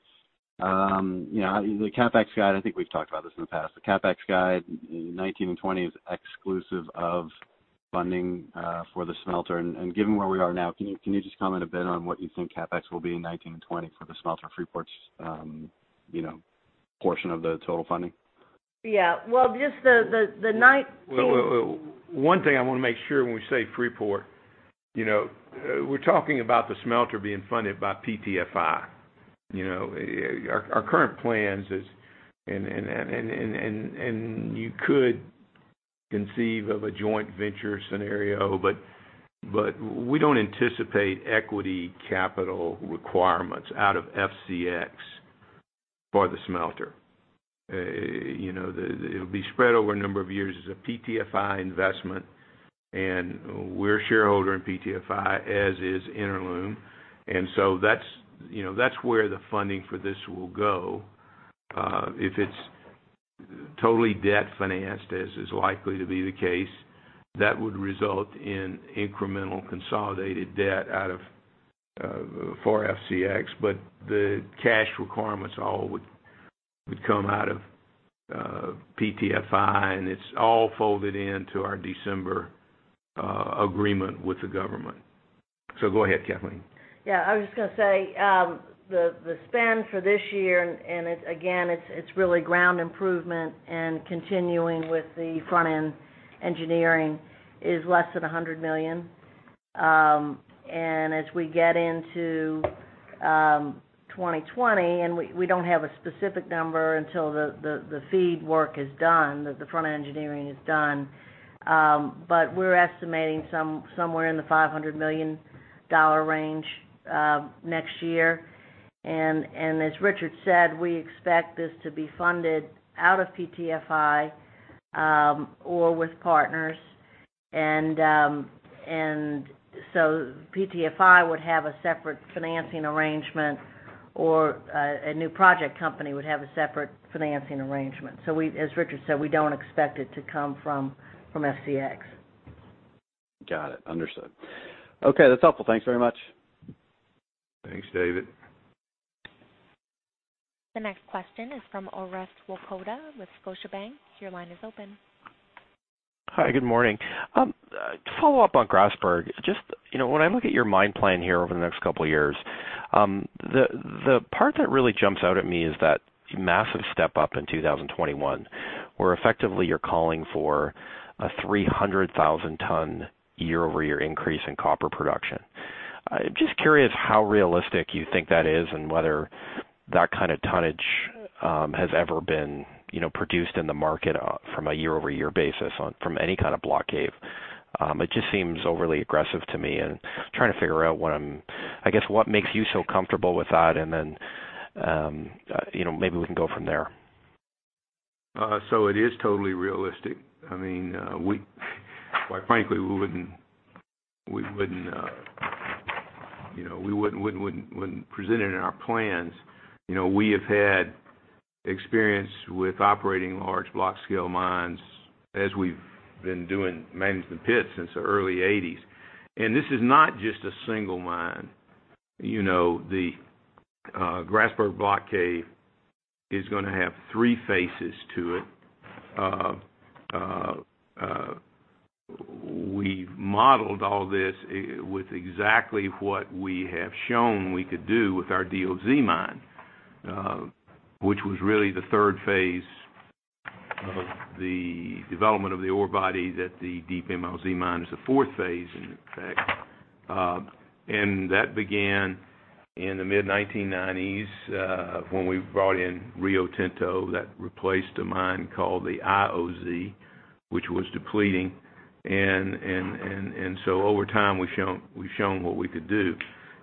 I: The CapEx guide, I think we've talked about this in the past. The CapEx guide in 2019 and 2020 is exclusive of funding for the smelter. Given where we are now, can you just comment a bit on what you think CapEx will be in 2019 and 2020 for the smelter Freeport's portion of the total funding?
B: Yeah. Well, just the nine-
C: Wait. One thing I want to make sure when we say Freeport, we're talking about the smelter being funded by PT-FI. Our current plans is, and you could conceive of a joint venture scenario, but we don't anticipate equity capital requirements out of FCX for the smelter. It'll be spread over a number of years as a PT-FI investment, and we're a shareholder in PT-FI, as is Inalum. That's where the funding for this will go. If it's totally debt financed, as is likely to be the case, that would result in incremental consolidated debt out of FCX. The cash requirements all would come out of PT-FI, and it's all folded into our December agreement with the government. Go ahead, Kathleen.
B: Yeah, I was just going to say, the spend for this year, and again, it's really ground improvement and continuing with the front-end engineering, is less than $100 million. As we get into 2020, and we don't have a specific number until the feed work is done, the front engineering is done, we're estimating somewhere in the $500 million range next year. As Richard said, we expect this to be funded out of PT-FI, or with partners. PT-FI would have a separate financing arrangement or a new project company would have a separate financing arrangement. As Richard said, we don't expect it to come from FCX.
I: Got it. Understood. Okay, that's helpful. Thanks very much.
C: Thanks, David.
A: The next question is from Orest Wowkodaw with Scotiabank. Your line is open.
J: Hi, good morning. To follow up on Grasberg, just when I look at your mine plan here over the next couple of years, the part that really jumps out at me is that massive step up in 2021, where effectively you're calling for a 300,000 ton year-over-year increase in copper production. I'm just curious how realistic you think that is and whether that kind of tonnage has ever been produced in the market from a year-over-year basis from any kind of block cave. It just seems overly aggressive to me, and trying to figure out I guess, what makes you so comfortable with that and then maybe we can go from there.
C: It is totally realistic. Quite frankly, we wouldn't present it in our plans. We have had experience with operating large block scale mines as we've been doing managed the pit since the early 80s. This is not just a single mine. The Grasberg Block Cave is going to have three phases to it. We've modeled all this with exactly what we have shown we could do with our DOZ mine, which was really the third phase of the development of the ore body that the Deep MLZ mine is the fourth phase, in fact. That began in the mid 1990s, when we brought in Rio Tinto that replaced a mine called the IOZ, which was depleting. Over time, we've shown what we could do.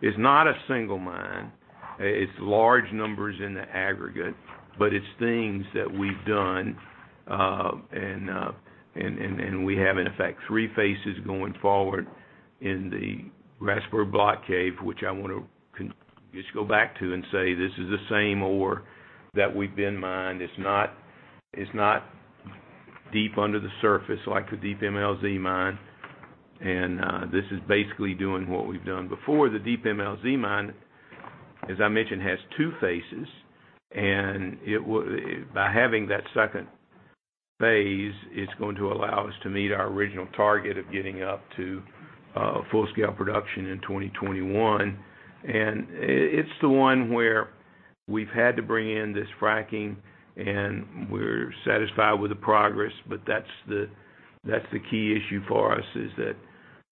C: It's not a single mine. It's large numbers in the aggregate, but it's things that we've done, and we have, in effect, three phases going forward in the Grasberg Block Cave, which I want to just go back to and say, this is the same ore that we've been mined. It's not deep under the surface like the Deep MLZ mine. This is basically doing what we've done before. The Deep MLZ mine, as I mentioned, has two phases, and by having that second phase, it's going to allow us to meet our original target of getting up to full scale production in 2021. It's the one where we've had to bring in this fracking and we're satisfied with the progress. That's the key issue for us is that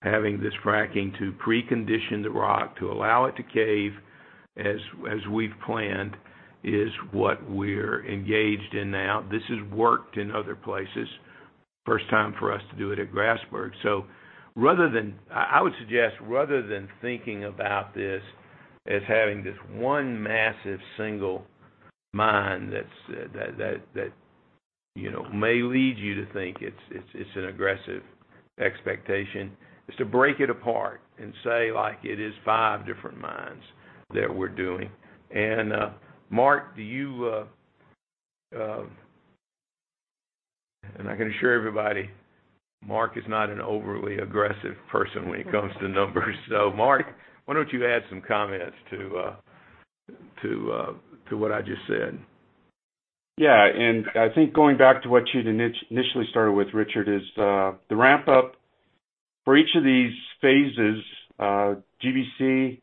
C: having this fracking to pre-condition the rock to allow it to cave as we've planned is what we're engaged in now. This has worked in other places. First time for us to do it at Grasberg. I would suggest, rather than thinking about this as having this one massive single mine that may lead you to think it's an aggressive expectation, is to break it apart and say, like it is five different mines that we're doing. Mark, I can assure everybody, Mark is not an overly aggressive person when it comes to numbers. Mark, why don't you add some comments to what I just said.
F: Yeah. I think going back to what you initially started with, Richard, is the ramp up for each of these phases, GBC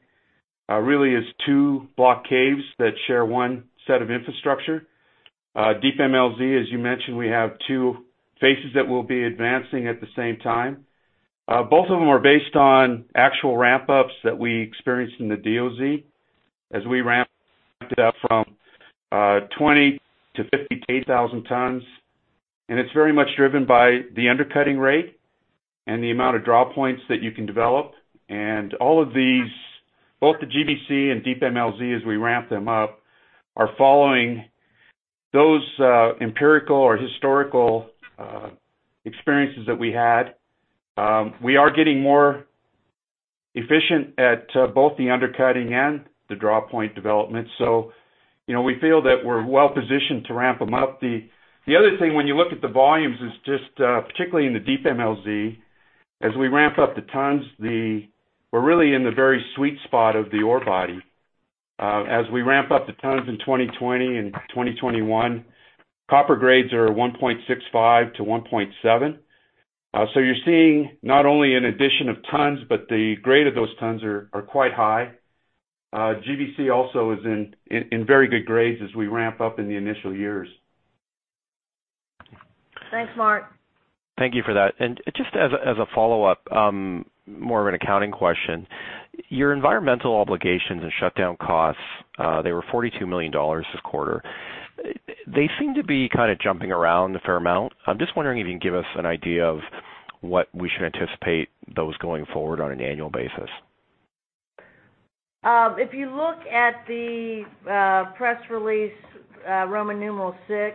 F: really is two block caves that share one set of infrastructure. Deep MLZ, as you mentioned, we have two phases that we'll be advancing at the same time. Both of them are based on actual ramp ups that we experienced in the DOZ as we ramped it up from 20 to 58,000 tons. It's very much driven by the undercutting rate and the amount of draw points that you can develop. All of these, both the GBC and Deep MLZ as we ramp them up, are following those empirical or historical experiences that we had. We are getting more efficient at both the undercutting and the draw point development. We feel that we're well positioned to ramp them up. The other thing when you look at the volumes is just, particularly in the Deep MLZ, as we ramp up the tons, we're really in the very sweet spot of the ore body. As we ramp up the tons in 2020 and 2021, copper grades are 1.65 to 1.7. You're seeing not only an addition of tons, but the grade of those tons are quite high. GBC also is in very good grades as we ramp up in the initial years.
B: Thanks, Mark.
J: Thank you for that. Just as a follow-up, more of an accounting question. Your environmental obligations and shutdown costs, they were $42 million this quarter. They seem to be kind of jumping around a fair amount. I am just wondering if you can give us an idea of what we should anticipate those going forward on an annual basis.
B: If you look at the press release, Roman numeral VI,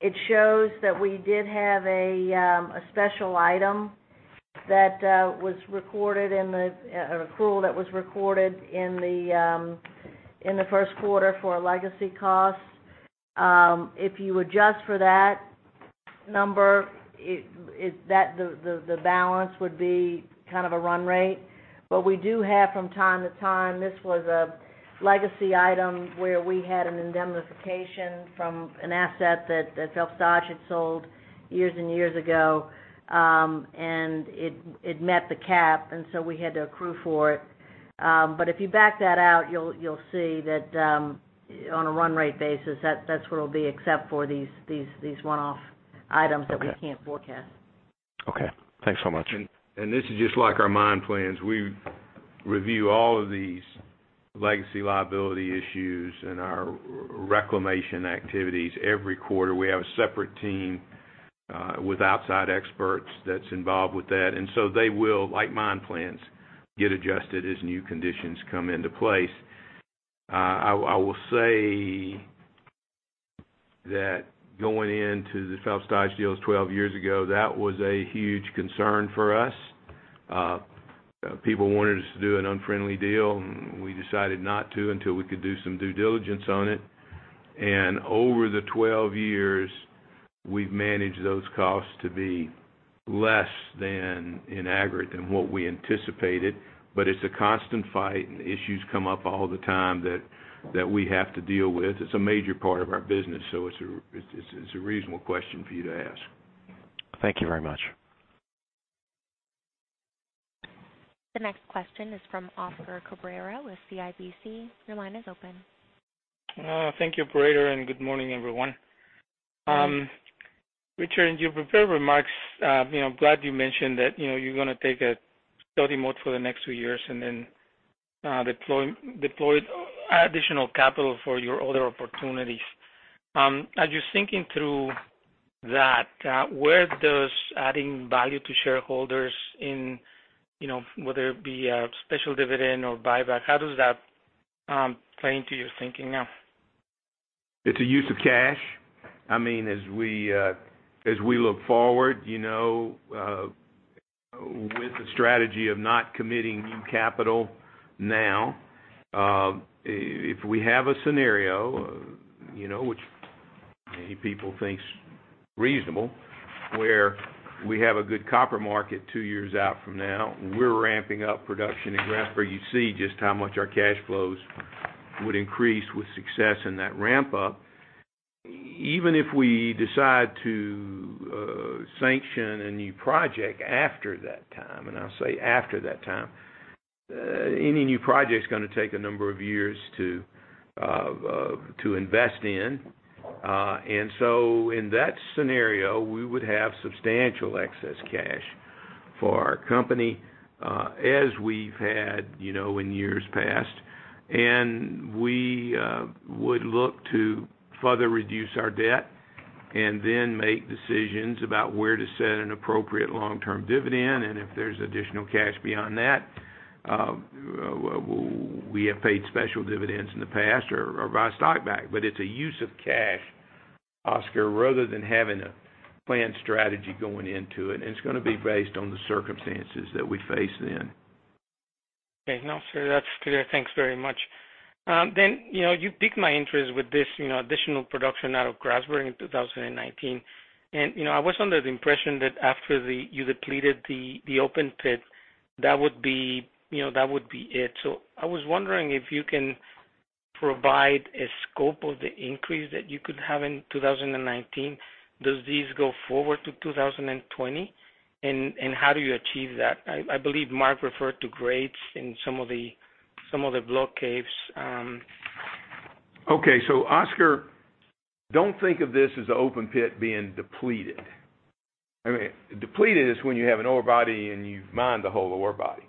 B: it shows that we did have a special item that was recorded or accrual that was recorded in the first quarter for legacy costs. If you adjust for that number, the balance would be kind of a run rate. We do have from time to time, this was a legacy item where we had an indemnification from an asset that Phelps Dodge had sold years and years ago. It met the cap, and so we had to accrue for it. If you back that out, you will see that on a run rate basis, that is where it will be except for these one-off items that we cannot forecast.
J: Okay. Thanks so much.
C: This is just like our mine plans. We review all of these legacy liability issues and our reclamation activities every quarter. We have a separate team with outside experts that is involved with that. They will, like mine plans, get adjusted as new conditions come into place. I will say that going into the Phelps Dodge deal 12 years ago, that was a huge concern for us. People wanted us to do an unfriendly deal, and we decided not to until we could do some due diligence on it. Over the 12 years, we have managed those costs to be less than, in aggregate, than what we anticipated. It is a constant fight, and issues come up all the time that we have to deal with. It is a major part of our business, so it is a reasonable question for you to ask.
J: Thank you very much.
A: The next question is from Oscar Cabrera with CIBC. Your line is open.
K: Thank you, operator, and good morning, everyone. Richard, in your prepared remarks, I'm glad you mentioned that you're going to take a steady mode for the next two years and then deploy additional capital for your other opportunities. As you're thinking through that, where does adding value to shareholders in, whether it be a special dividend or buyback, how does that play into your thinking now?
C: It's a use of cash. As we look forward, with the strategy of not committing new capital now. If we have a scenario, which many people think is reasonable, where we have a good copper market two years out from now, we're ramping up production in Grasberg. You see just how much our cash flows would increase with success in that ramp up. Even if we decide to sanction a new project after that time, and I'll say after that time, any new project's gonna take a number of years to invest in. In that scenario, we would have substantial excess cash for our company as we've had in years past. We would look to further reduce our debt and then make decisions about where to set an appropriate long-term dividend. If there's additional cash beyond that, we have paid special dividends in the past or buy stock back. It's a use of cash, Oscar, rather than having a planned strategy going into it, and it's going to be based on the circumstances that we face then.
K: No, sir, that's clear. Thanks very much. You piqued my interest with this additional production out of Grasberg in 2019. I was under the impression that after you depleted the open pit, that would be it. I was wondering if you can provide a scope of the increase that you could have in 2019. Does this go forward to 2020? How do you achieve that? I believe Mark referred to grades in some of the block caves.
C: Oscar, don't think of this as the open pit being depleted. Depleted is when you have an ore body and you've mined the whole ore body.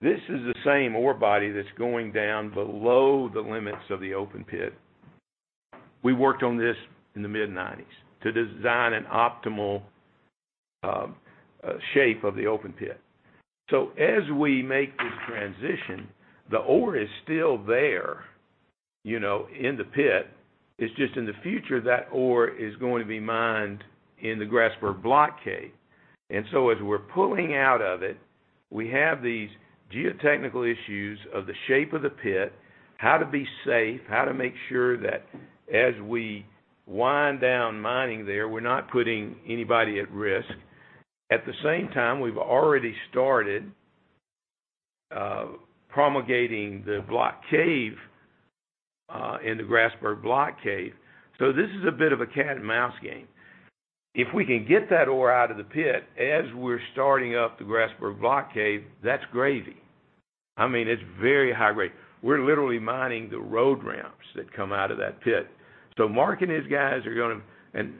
C: This is the same ore body that's going down below the limits of the open pit. We worked on this in the mid-'90s to design an optimal shape of the open pit. As we make this transition, the ore is still there in the pit. It's just in the future, that ore is going to be mined in the Grasberg Block Cave. As we're pulling out of it, we have these geotechnical issues of the shape of the pit, how to be safe, how to make sure that as we wind down mining there, we're not putting anybody at risk. At the same time, we've already started promulgating the block cave in the Grasberg Block Cave. This is a bit of a cat and mouse game. If we can get that ore out of the pit as we're starting up the Grasberg Block Cave, that's gravy. It's very high grade. We're literally mining the road ramps that come out of that pit. Mark and his guys are gonna, and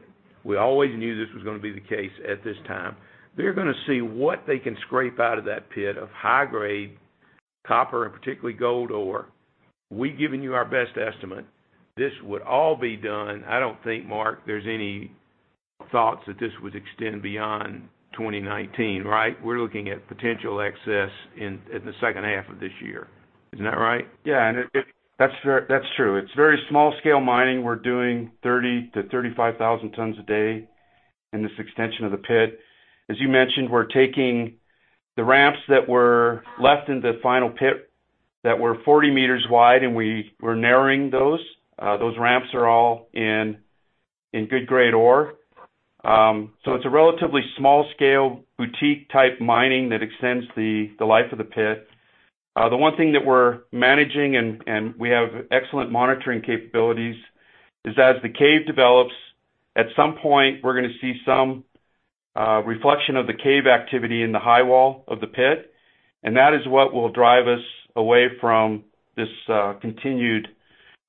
C: we always knew this was gonna be the case at this time, they're gonna see what they can scrape out of that pit of high-grade copper and particularly gold ore. We've given you our best estimate. This would all be done, I don't think, Mark, there's any thoughts that this would extend beyond 2019, right? We're looking at potential excess in the second half of this year. Isn't that right?
F: That's true. It's very small scale mining. We're doing 30,000 to 35,000 tons a day in this extension of the pit. As you mentioned, we're taking the ramps that were left in the final pit that were 40 meters wide, and we were narrowing those. Those ramps are all in good grade ore. It's a relatively small scale, boutique type mining that extends the life of the pit. The one thing that we're managing, and we have excellent monitoring capabilities, is as the cave develops, at some point, we're going to see some reflection of the cave activity in the high wall of the pit. That is what will drive us away from this continued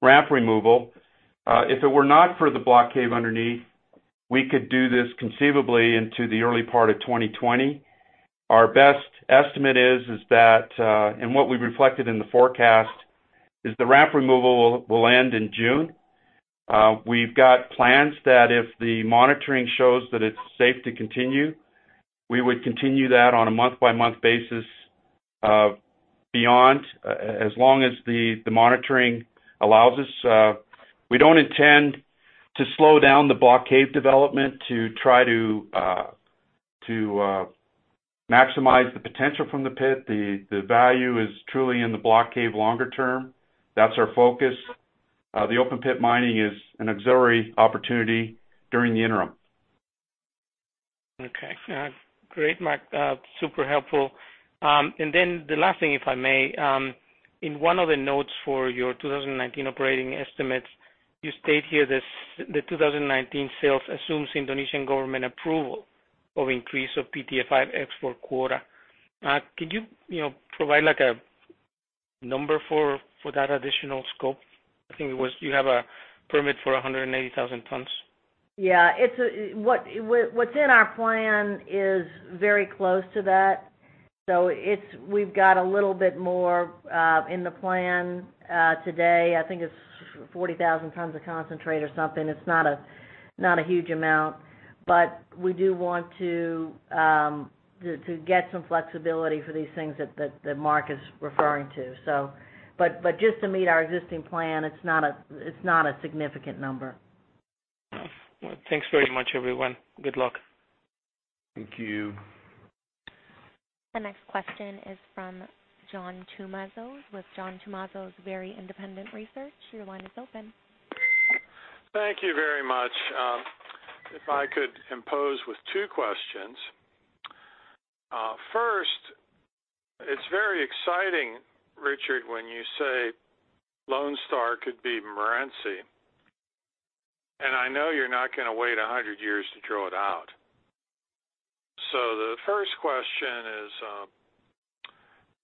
F: ramp removal. If it were not for the block cave underneath, we could do this conceivably into the early part of 2020. Our best estimate is that, what we reflected in the forecast, is the ramp removal will end in June. We've got plans that if the monitoring shows that it's safe to continue, we would continue that on a month-by-month basis beyond, as long as the monitoring allows us. We don't intend to slow down the block cave development to try to maximize the potential from the pit. The value is truly in the block cave longer term. That's our focus. The open pit mining is an auxiliary opportunity during the interim.
K: Great, Mark Johnson. Super helpful. The last thing, if I may. In one of the notes for your 2019 operating estimates, you state here that the 2019 sales assumes Indonesian government approval of increase of PT-FI export quota. Could you provide a number for that additional scope? I think you have a permit for 180,000 tons.
B: What's in our plan is very close to that. We've got a little bit more in the plan today. I think it's 40,000 tons of concentrate or something. It's not a huge amount. We do want to get some flexibility for these things that Mark Johnson is referring to. Just to meet our existing plan, it's not a significant number.
K: Thanks very much, everyone. Good luck.
C: Thank you.
A: The next question is from John Tumazos with John Tumazos Very Independent Research. Your line is open.
L: Thank you very much. If I could impose with two questions. First, it's very exciting, Richard, when you say Lone Star could be Morenci, and I know you're not going to wait 100 years to drill it out. The first question is,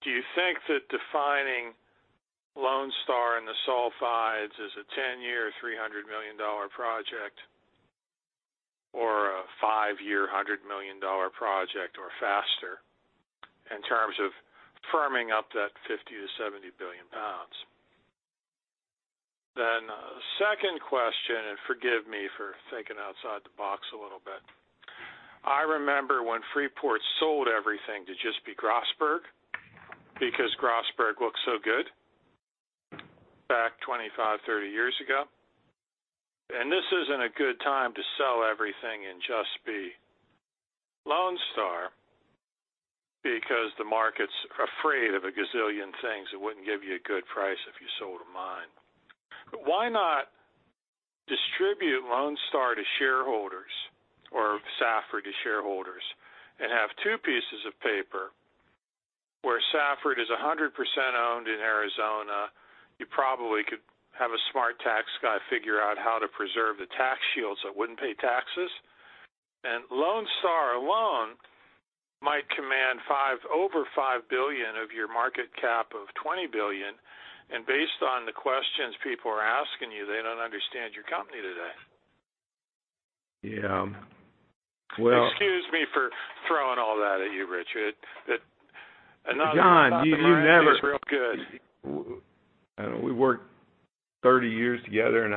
L: do you think that defining Lone Star and the sulfides is a 10-year, $300 million project or a five-year, $100 million project or faster in terms of firming up that 50 billion-70 billion pounds? Second question, and forgive me for thinking outside the box a little bit. I remember when Freeport sold everything to just be Grasberg because Grasberg looked so good back 25, 30 years ago. This isn't a good time to sell everything and just be Lone Star because the market's afraid of a gazillion things that wouldn't give you a good price if you sold a mine. Why not distribute Lone Star to shareholders or Safford to shareholders and have two pieces of paper where Safford is 100% owned in Arizona? You probably could have a smart tax guy figure out how to preserve the tax shields that wouldn't pay taxes. Lone Star alone might command over $5 billion of your market cap of $20 billion, and based on the questions people are asking you, they don't understand your company today.
C: Yeah.
L: Excuse me for throwing all that at you, Richard.
C: John, you never.
L: Morenci's real good.
C: We worked 30 years together,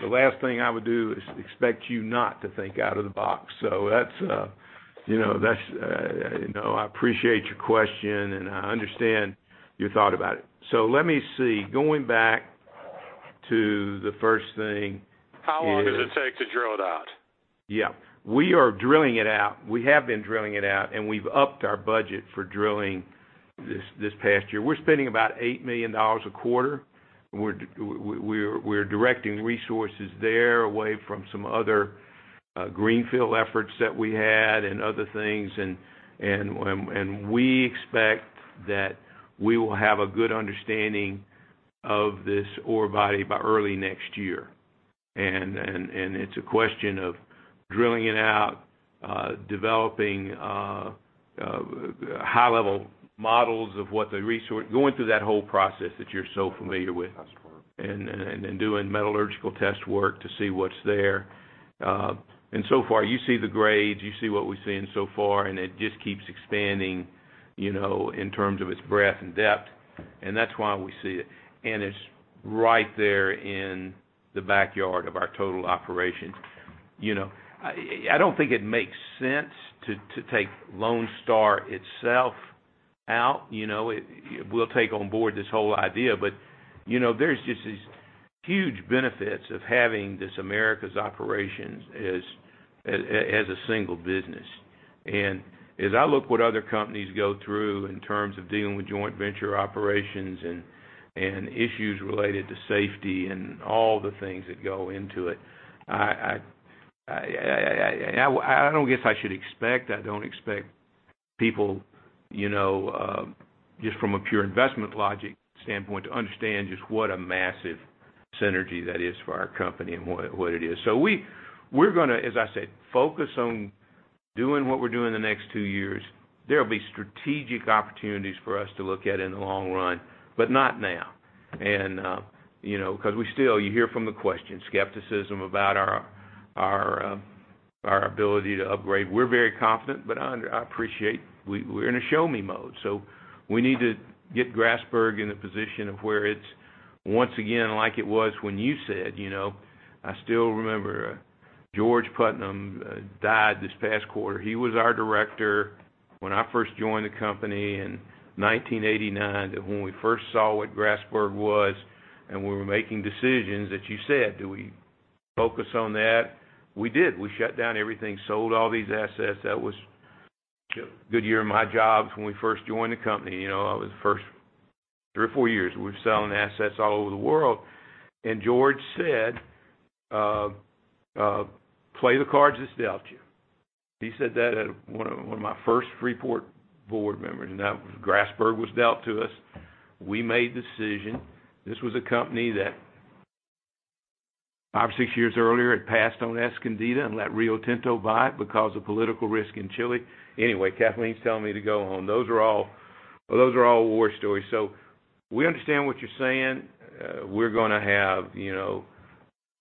C: the last thing I would do is expect you not to think out of the box. I appreciate your question, and I understand your thought about it. Let me see.
L: How long does it take to drill it out?
C: Yeah. We are drilling it out. We have been drilling it out, we've upped our budget for drilling this past year. We're spending about $8 million a quarter. We're directing resources there away from some other greenfield efforts that we had and other things, we expect that we will have a good understanding of this ore body by early next year. It's a question of drilling it out, developing high-level models of what the resource, going through that whole process that you're so familiar with.
L: Test work.
C: Doing metallurgical test work to see what's there. And so far, you see the grades, you see what we're seeing so far, it just keeps expanding in terms of its breadth and depth, that's why we see it. It's right there in the backyard of our total operations. I don't think it makes sense to take Lone Star itself out. We'll take on board this whole idea, there's just these huge benefits of having this Americas operations as a single business. As I look what other companies go through in terms of dealing with joint venture operations and issues related to safety and all the things that go into it, I don't guess I should expect, I don't expect people, just from a pure investment logic standpoint, to understand just what a massive synergy that is for our company and what it is. We're going to, as I said, focus on doing what we're doing the next two years. There'll be strategic opportunities for us to look at in the long run, but not now. We still, you hear from the question, skepticism about our ability to upgrade. We're very confident, but I appreciate we're in a show-me mode. We need to get Grasberg in a position of where it's once again like it was when you said, I still remember George Putnam died this past quarter. He was our director when I first joined the company in 1989, that when we first saw what Grasberg was, we were making decisions that you said, do we focus on that? We did. We shut down everything, sold all these assets. That was a good year in my jobs when we first joined the company. I was the first three or four years, we were selling assets all over the world. George said, "Play the cards that's dealt to you." He said that at one of my first Freeport board members, that was Grasberg was dealt to us. We made decision. This was a company that five or six years earlier, had passed on Escondida and let Rio Tinto buy it because of political risk in Chile. Anyway, Kathleen's telling me to go on. Those are all war stories. We understand what you're saying. We're going to have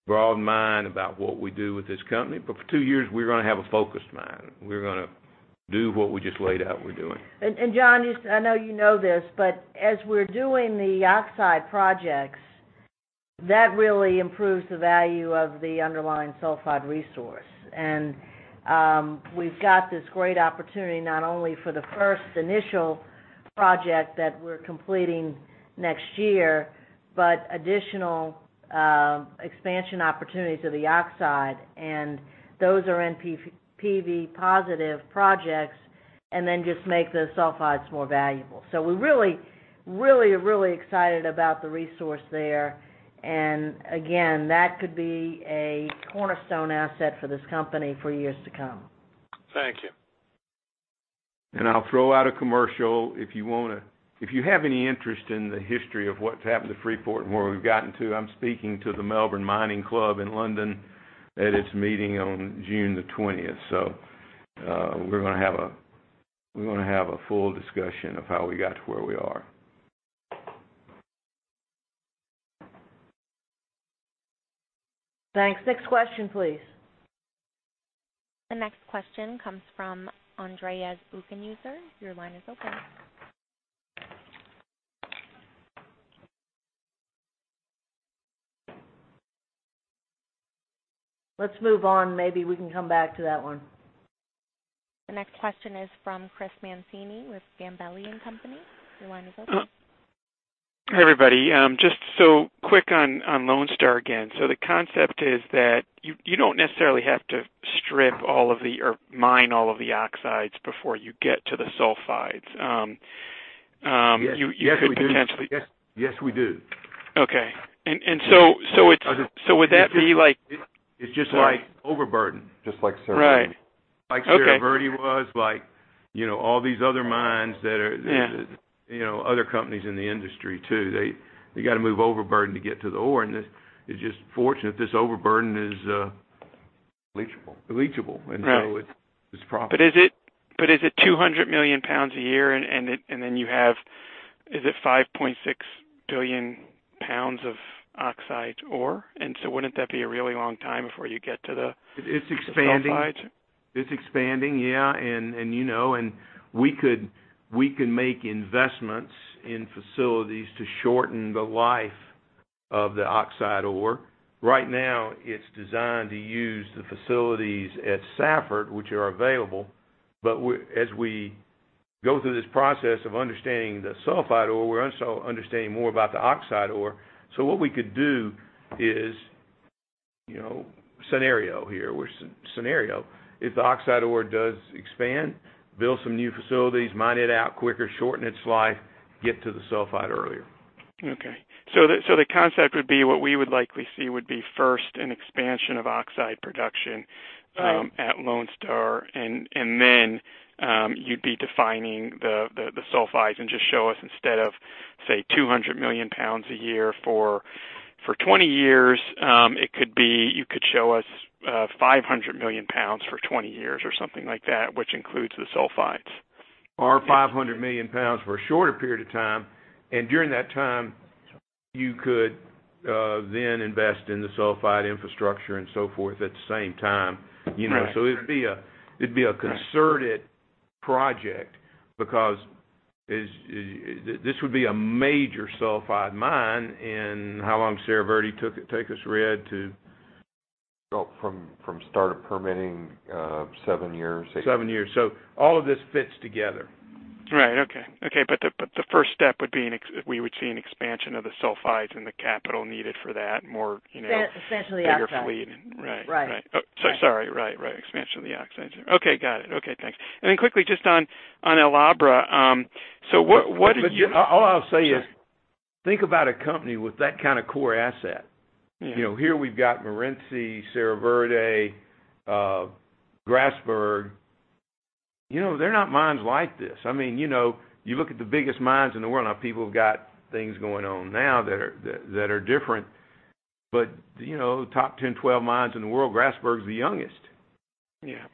C: broad mind about what we do with this company. For two years, we're going to have a focused mind. We're going to do what we just laid out we're doing.
B: John, I know you know this, as we're doing the oxide projects, that really improves the value of the underlying sulfide resource. We've got this great opportunity not only for the first initial project that we're completing next year, but additional expansion opportunities of the oxide, those are NPV positive projects, then just make the sulfides more valuable. We're really excited about the resource there. Again, that could be a cornerstone asset for this company for years to come.
L: Thank you.
C: I'll throw out a commercial if you have any interest in the history of what's happened to Freeport and where we've gotten to. I'm speaking to the Melbourne Mining Club in London at its meeting on June the 20th. We're going to have a full discussion of how we got to where we are.
B: Thanks. Next question, please.
A: The next question comes from Andreas Buchmüller. Your line is open.
B: Let's move on. Maybe we can come back to that one.
A: The next question is from Chris Mancini with Gabelli & Company. Your line is open.
M: Hi, everybody. Just quick on Lone Star again. The concept is that you don't necessarily have to strip all of the, or mine all of the oxides before you get to the sulfides.
C: Yes, we do.
M: Okay. Would that be like
C: It's just like overburden. Just like Cerrejón.
M: Right. Okay.
C: Like Cerrejón was. Like all these other mines that other companies in the industry, too, they got to move overburden to get to the ore. It's just fortunate this overburden. Leachable. Leachable. It's profitable.
M: Is it 200 million pounds a year, and then you have, is it 5.6 billion pounds of oxide ore? Wouldn't that be a really long time before you get to the sulfides?
C: It's expanding. It's expanding, yeah. We could make investments in facilities to shorten the life of the oxide ore. Right now, it's designed to use the facilities at Safford, which are available. As we go through this process of understanding the sulfide ore, we're also understanding more about the oxide ore. What we could do is, scenario here, what's the scenario? If the oxide ore does expand, build some new facilities, mine it out quicker, shorten its life, get to the sulfide earlier.
M: Okay. The concept would be what we would likely see would be first an expansion of oxide production at Lone Star, then you'd be defining the sulfides and just show us instead of, say, 200 million pounds a year for 20 years, it could be you could show us 500 million pounds for 20 years or something like that, which includes the sulfides.
C: 500 million pounds for a shorter period of time. During that time, you could then invest in the sulfide infrastructure and so forth at the same time.
M: Right.
C: It'd be a concerted project because this would be a major sulfide mine in, how long Cerro Verde take us, Red, to From start of permitting, seven years, eight. Seven years. All of this fits together.
M: Right. Okay. the first step would be, we would see an expansion of the sulfides and the capital needed for that.
B: Essentially the oxide
M: bigger fleet. Right.
B: Right.
M: Sorry. Right. Expansion of the oxide. Okay, got it. Okay, thanks. Then quickly, just on El Abra. What are you
C: All I'll say is.
M: Sure
C: Think about a company with that kind of core asset.
M: Yeah.
C: Here we've got Morenci, Cerro Verde, Grasberg. There are not mines like this. You look at the biggest mines in the world. Now, people have got things going on now that are different, but top 10, 12 mines in the world, Grasberg's the youngest.
M: Yeah.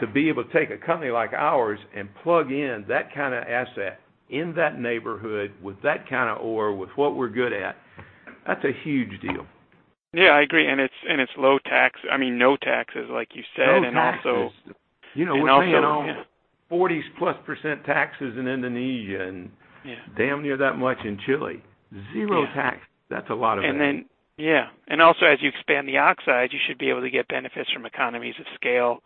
C: To be able to take a company like ours and plug in that kind of asset in that neighborhood with that kind of ore, with what we're good at, that's a huge deal.
M: I agree. It's low tax, I mean, no taxes, like you said.
C: No taxes. You know what's paying off? 40s plus % taxes in Indonesia and-
M: Yeah
C: damn near that much in Chile.
M: Yeah.
C: Zero tax. That's a lot of that.
M: Yeah. As you expand the oxides, you should be able to get benefits from economies of scale,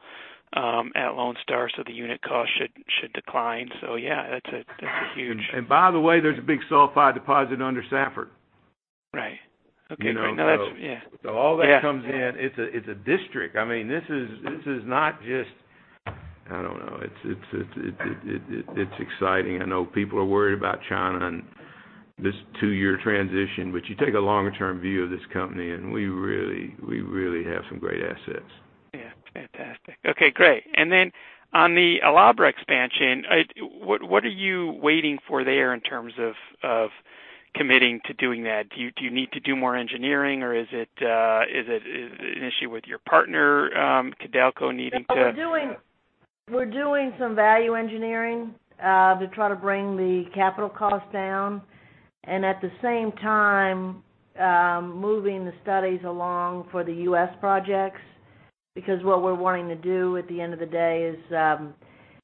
M: at Lone Star, so the unit cost should decline. Yeah, that's a huge-
C: By the way, there's a big sulfide deposit under Safford.
M: Right. Okay, great. That's, yeah.
C: All that comes in, it's a district. This is not just I don't know. It's exciting. I know people are worried about China and this two-year transition, you take a longer-term view of this company, we really have some great assets.
M: Yeah. Fantastic. Okay, great. On the El Abra expansion, what are you waiting for there in terms of committing to doing that? Do you need to do more engineering or is it an issue with your partner, Codelco, needing to-
B: We're doing some value engineering to try to bring the capital cost down, and at the same time, moving the studies along for the U.S. projects. What we're wanting to do at the end of the day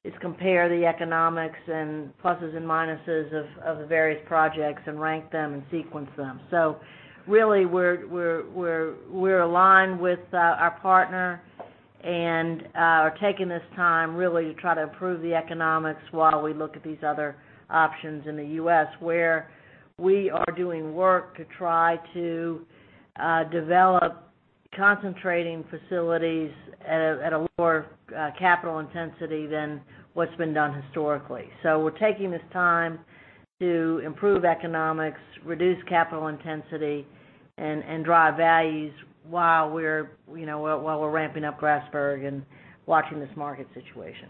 B: is compare the economics and pluses and minuses of the various projects and rank them and sequence them. We're aligned with our partner and are taking this time really to try to improve the economics while we look at these other options in the U.S., where we are doing work to try to develop concentrating facilities at a lower capital intensity than what's been done historically. We're taking this time to improve economics, reduce capital intensity, and drive values while we're ramping up Grasberg and watching this market situation.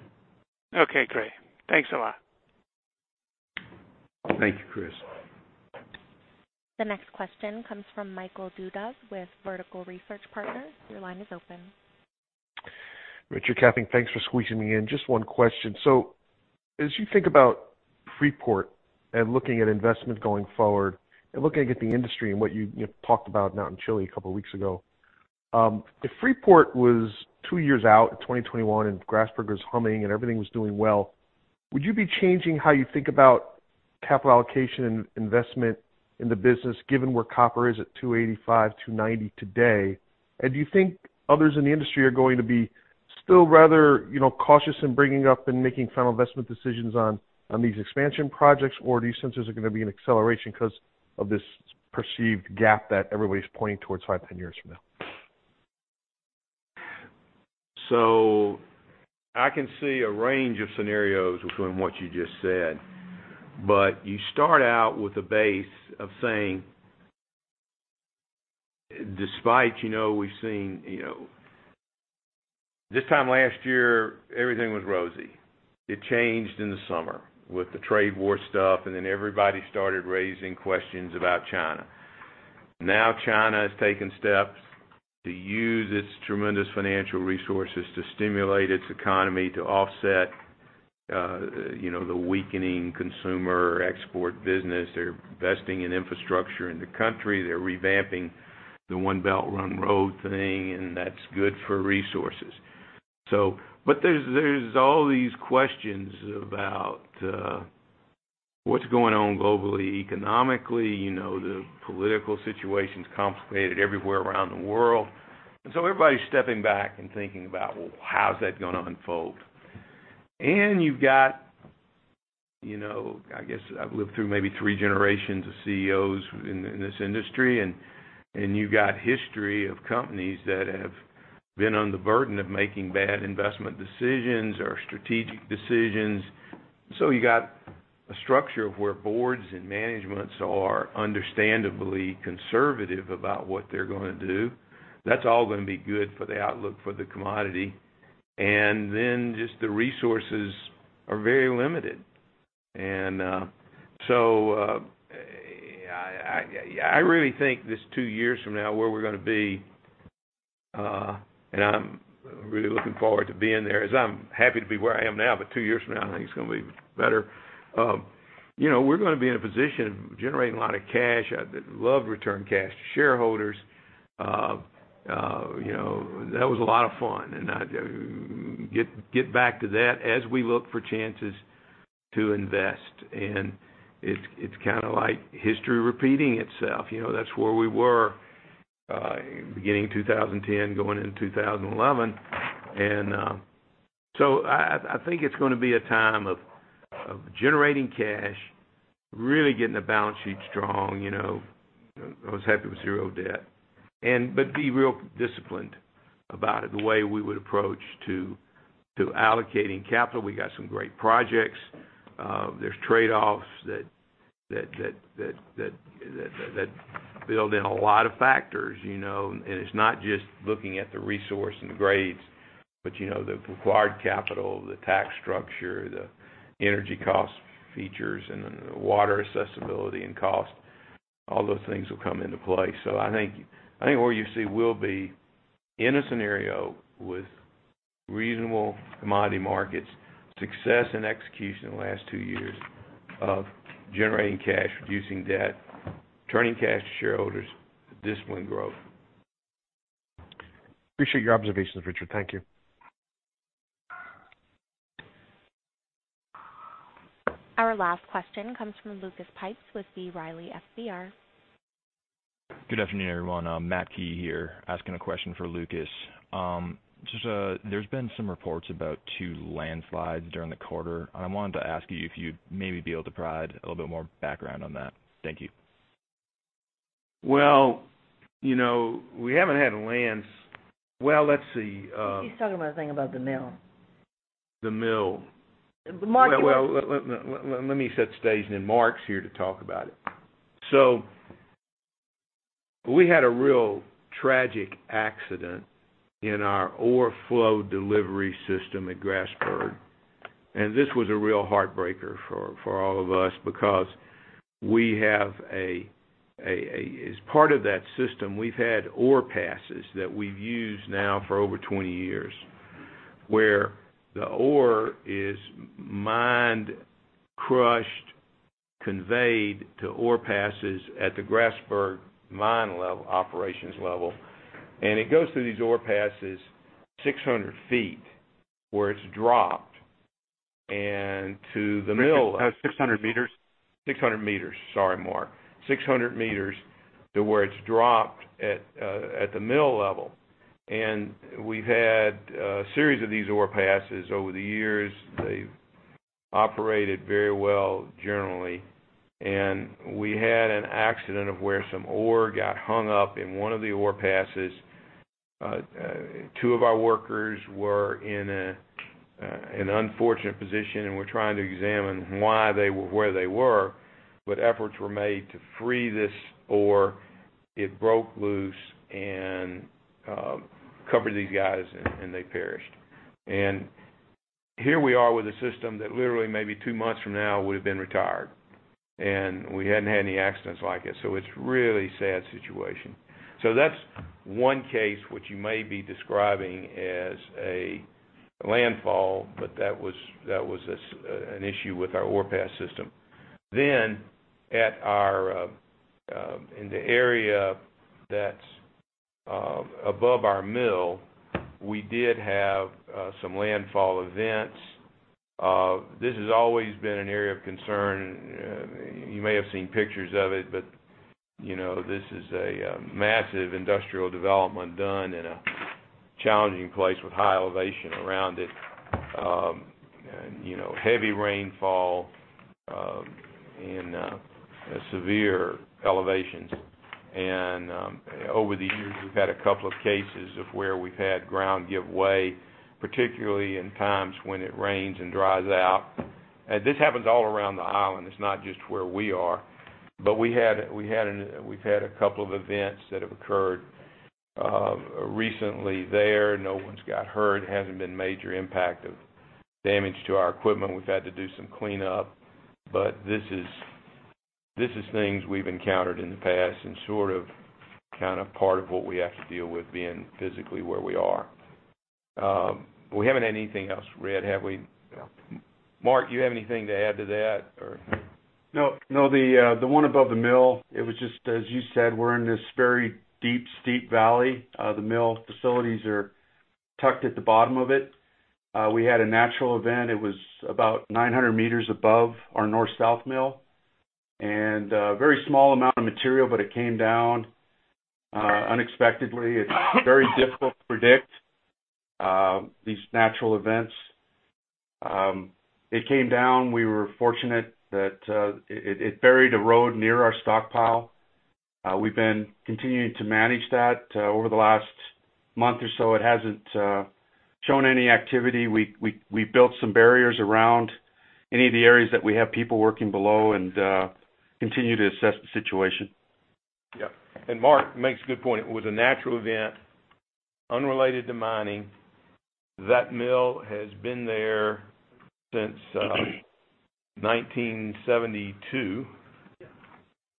M: Okay, great. Thanks a lot.
C: Thank you, Chris.
A: The next question comes from Michael Dudas with Vertical Research Partners. Your line is open.
N: Richard, Kathleen, thanks for squeezing me in. Just one question. As you think about Freeport and looking at investment going forward and looking at the industry and what you talked about out in Chile a couple of weeks ago, if Freeport was two years out in 2021 and Grasberg was humming and everything was doing well, would you be changing how you think about capital allocation and investment in the business, given where copper is at $2.85, $2.90 today? Do you think others in the industry are going to be still rather cautious in bringing up and making final investment decisions on these expansion projects? Do you sense there's going to be an acceleration because of this perceived gap that everybody's pointing towards five, 10 years from now?
C: I can see a range of scenarios within what you just said. You start out with a base of saying, despite we've seen This time last year, everything was rosy. It changed in the summer with the trade war stuff, then everybody started raising questions about China. Now China has taken steps to use its tremendous financial resources to stimulate its economy to offset the weakening consumer export business. They're investing in infrastructure in the country. They're revamping the One Belt, One Road thing, and that's good for resources. There's all these questions about what's going on globally, economically. The political situation's complicated everywhere around the world. Everybody's stepping back and thinking about, well, how's that going to unfold? You've got, I guess I've lived through maybe three generations of CEOs in this industry, and you've got history of companies that have been under burden of making bad investment decisions or strategic decisions. You got a structure of where boards and managements are understandably conservative about what they're going to do. That's all going to be good for the outlook for the commodity. Then just the resources are very limited. I really think this two years from now, where we're going to be. I'm really looking forward to being there. I'm happy to be where I am now, but two years from now, I think it's going to be even better. We're going to be in a position of generating a lot of cash. I'd love to return cash to shareholders. That was a lot of fun, get back to that as we look for chances to invest. It's kind of like history repeating itself. That's where we were beginning 2010, going into 2011. I think it's going to be a time of generating cash, really getting the balance sheet strong. I was happy with 0 debt. Be real disciplined about it, the way we would approach to allocating capital. We got some great projects. There's trade-offs that build in a lot of factors. It's not just looking at the resource and the grades, but the required capital, the tax structure, the energy cost features, and then the water accessibility and cost. All those things will come into play. I think where you see we'll be in a scenario with reasonable commodity markets, success and execution in the last two years of generating cash, reducing debt, returning cash to shareholders, disciplined growth.
N: Appreciate your observations, Richard. Thank you.
A: Our last question comes from Lucas Pipes with B. Riley FBR.
O: Good afternoon, everyone. Matt Key here, asking a question for Lucas. There's been some reports about two landslides during the quarter. I wanted to ask you if you'd maybe be able to provide a little bit more background on that. Thank you.
C: Well, we haven't had a land-- Well, let's see.
B: He's talking about the thing about the mill.
C: The mill.
B: Mark-
C: Well, let me set the stage, then Mark's here to talk about it. We had a real tragic accident in our ore flow delivery system at Grasberg. This was a real heartbreaker for all of us because as part of that system, we've had ore passes that we've used now for over 20 years, where the ore is mined, crushed, conveyed to ore passes at the Grasberg mine operations level. It goes through these ore passes 600 feet, where it's dropped and to the mill-
F: 600 meters.
C: 600 meters. Sorry, Mark. 600 meters to where it's dropped at the mill level. We've had a series of these ore passes over the years. They've operated very well generally. We had an accident of where some ore got hung up in one of the ore passes. Two of our workers were in an unfortunate position, we're trying to examine why they were where they were. Efforts were made to free this ore. It broke loose and covered these guys, they perished. Here we are with a system that literally maybe two months from now would've been retired. We hadn't had any accidents like it's really a sad situation. That's one case which you may be describing as a landfall, that was an issue with our ore pass system. In the area that's above our mill, we did have some landfall events. This has always been an area of concern. You may have seen pictures of it, but this is a massive industrial development done in a challenging place with high elevation around it. Heavy rainfall and severe elevations. Over the years, we've had a couple of cases of where we've had ground give way, particularly in times when it rains and dries out. This happens all around the island. It's not just where we are. We've had a couple of events that have occurred recently there. No one's got hurt. Hasn't been major impact of damage to our equipment. We've had to do some cleanup, but this is things we've encountered in the past and sort of, kind of part of what we have to deal with being physically where we are. We haven't had anything else, Red, have we? Mark, do you have anything to add to that or?
F: No. The one above the mill, it was just as you said, we're in this very deep, steep valley. The mill facilities are tucked at the bottom of it. We had a natural event. It was about 900 meters above our north south mill. A very small amount of material, but it came down unexpectedly. It's very difficult to predict these natural events. It came down. We were fortunate that it buried a road near our stockpile. We've been continuing to manage that over the last month or so. It hasn't shown any activity. We built some barriers around any of the areas that we have people working below and continue to assess the situation.
C: Yep. Mark makes a good point. It was a natural event unrelated to mining. That mill has been there since 1972.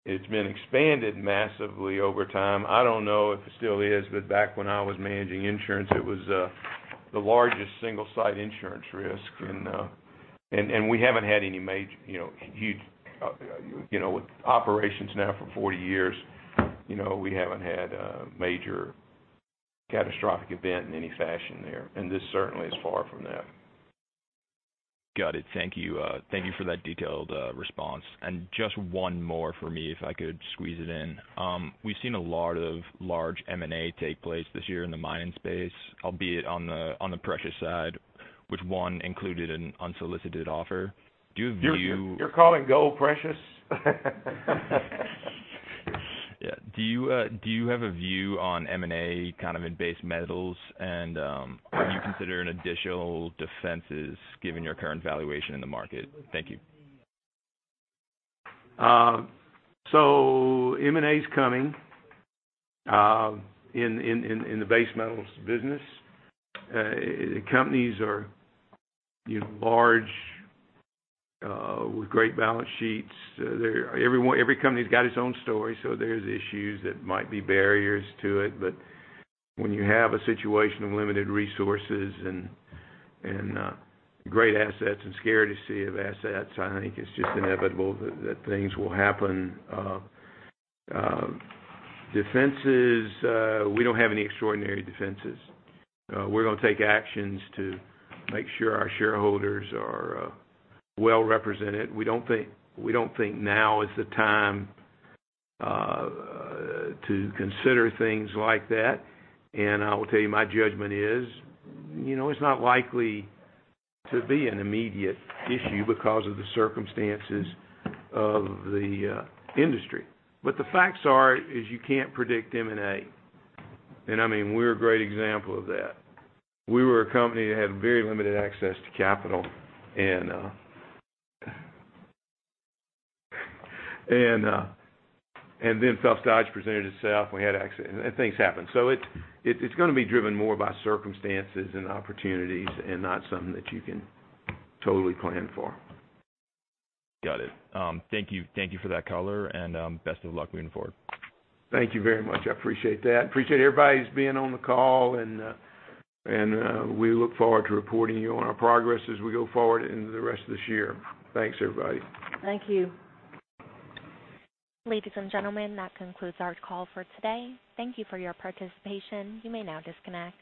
C: It's been expanded massively over time. I don't know if it still is, but back when I was managing insurance, it was the largest single-site insurance risk. We haven't had any major, with operations now for 40 years, we haven't had a major catastrophic event in any fashion there, and this certainly is far from that.
O: Got it. Thank you. Thank you for that detailed response. Just one more for me if I could squeeze it in. We've seen a lot of large M&A take place this year in the mining space, albeit on the precious side, with one included an unsolicited offer. Do you view-
C: You're calling gold precious?
O: Yeah. Do you have a view on M&A kind of in base metals and would you consider an additional defenses given your current valuation in the market? Thank you.
C: M&A's coming, in the base metals business. Companies are large, with great balance sheets. Every company's got its own story, so there's issues that might be barriers to it. When you have a situation of limited resources and great assets and scarcity of assets, I think it's just inevitable that things will happen. Defenses, we don't have any extraordinary defenses. We're going to take actions to make sure our shareholders are well-represented. We don't think now is the time to consider things like that. I will tell you my judgment is, it's not likely to be an immediate issue because of the circumstances of the industry. The facts are, is you can't predict M&A. I mean, we're a great example of that. We were a company that had very limited access to capital and then Phelps Dodge presented itself, and things happened. It's going to be driven more by circumstances and opportunities and not something that you can totally plan for.
O: Got it. Thank you for that color and best of luck moving forward.
C: Thank you very much. I appreciate that. Appreciate everybody's being on the call and we look forward to reporting you on our progress as we go forward into the rest of this year. Thanks, everybody.
B: Thank you.
A: Ladies and gentlemen, that concludes our call for today. Thank you for your participation. You may now disconnect.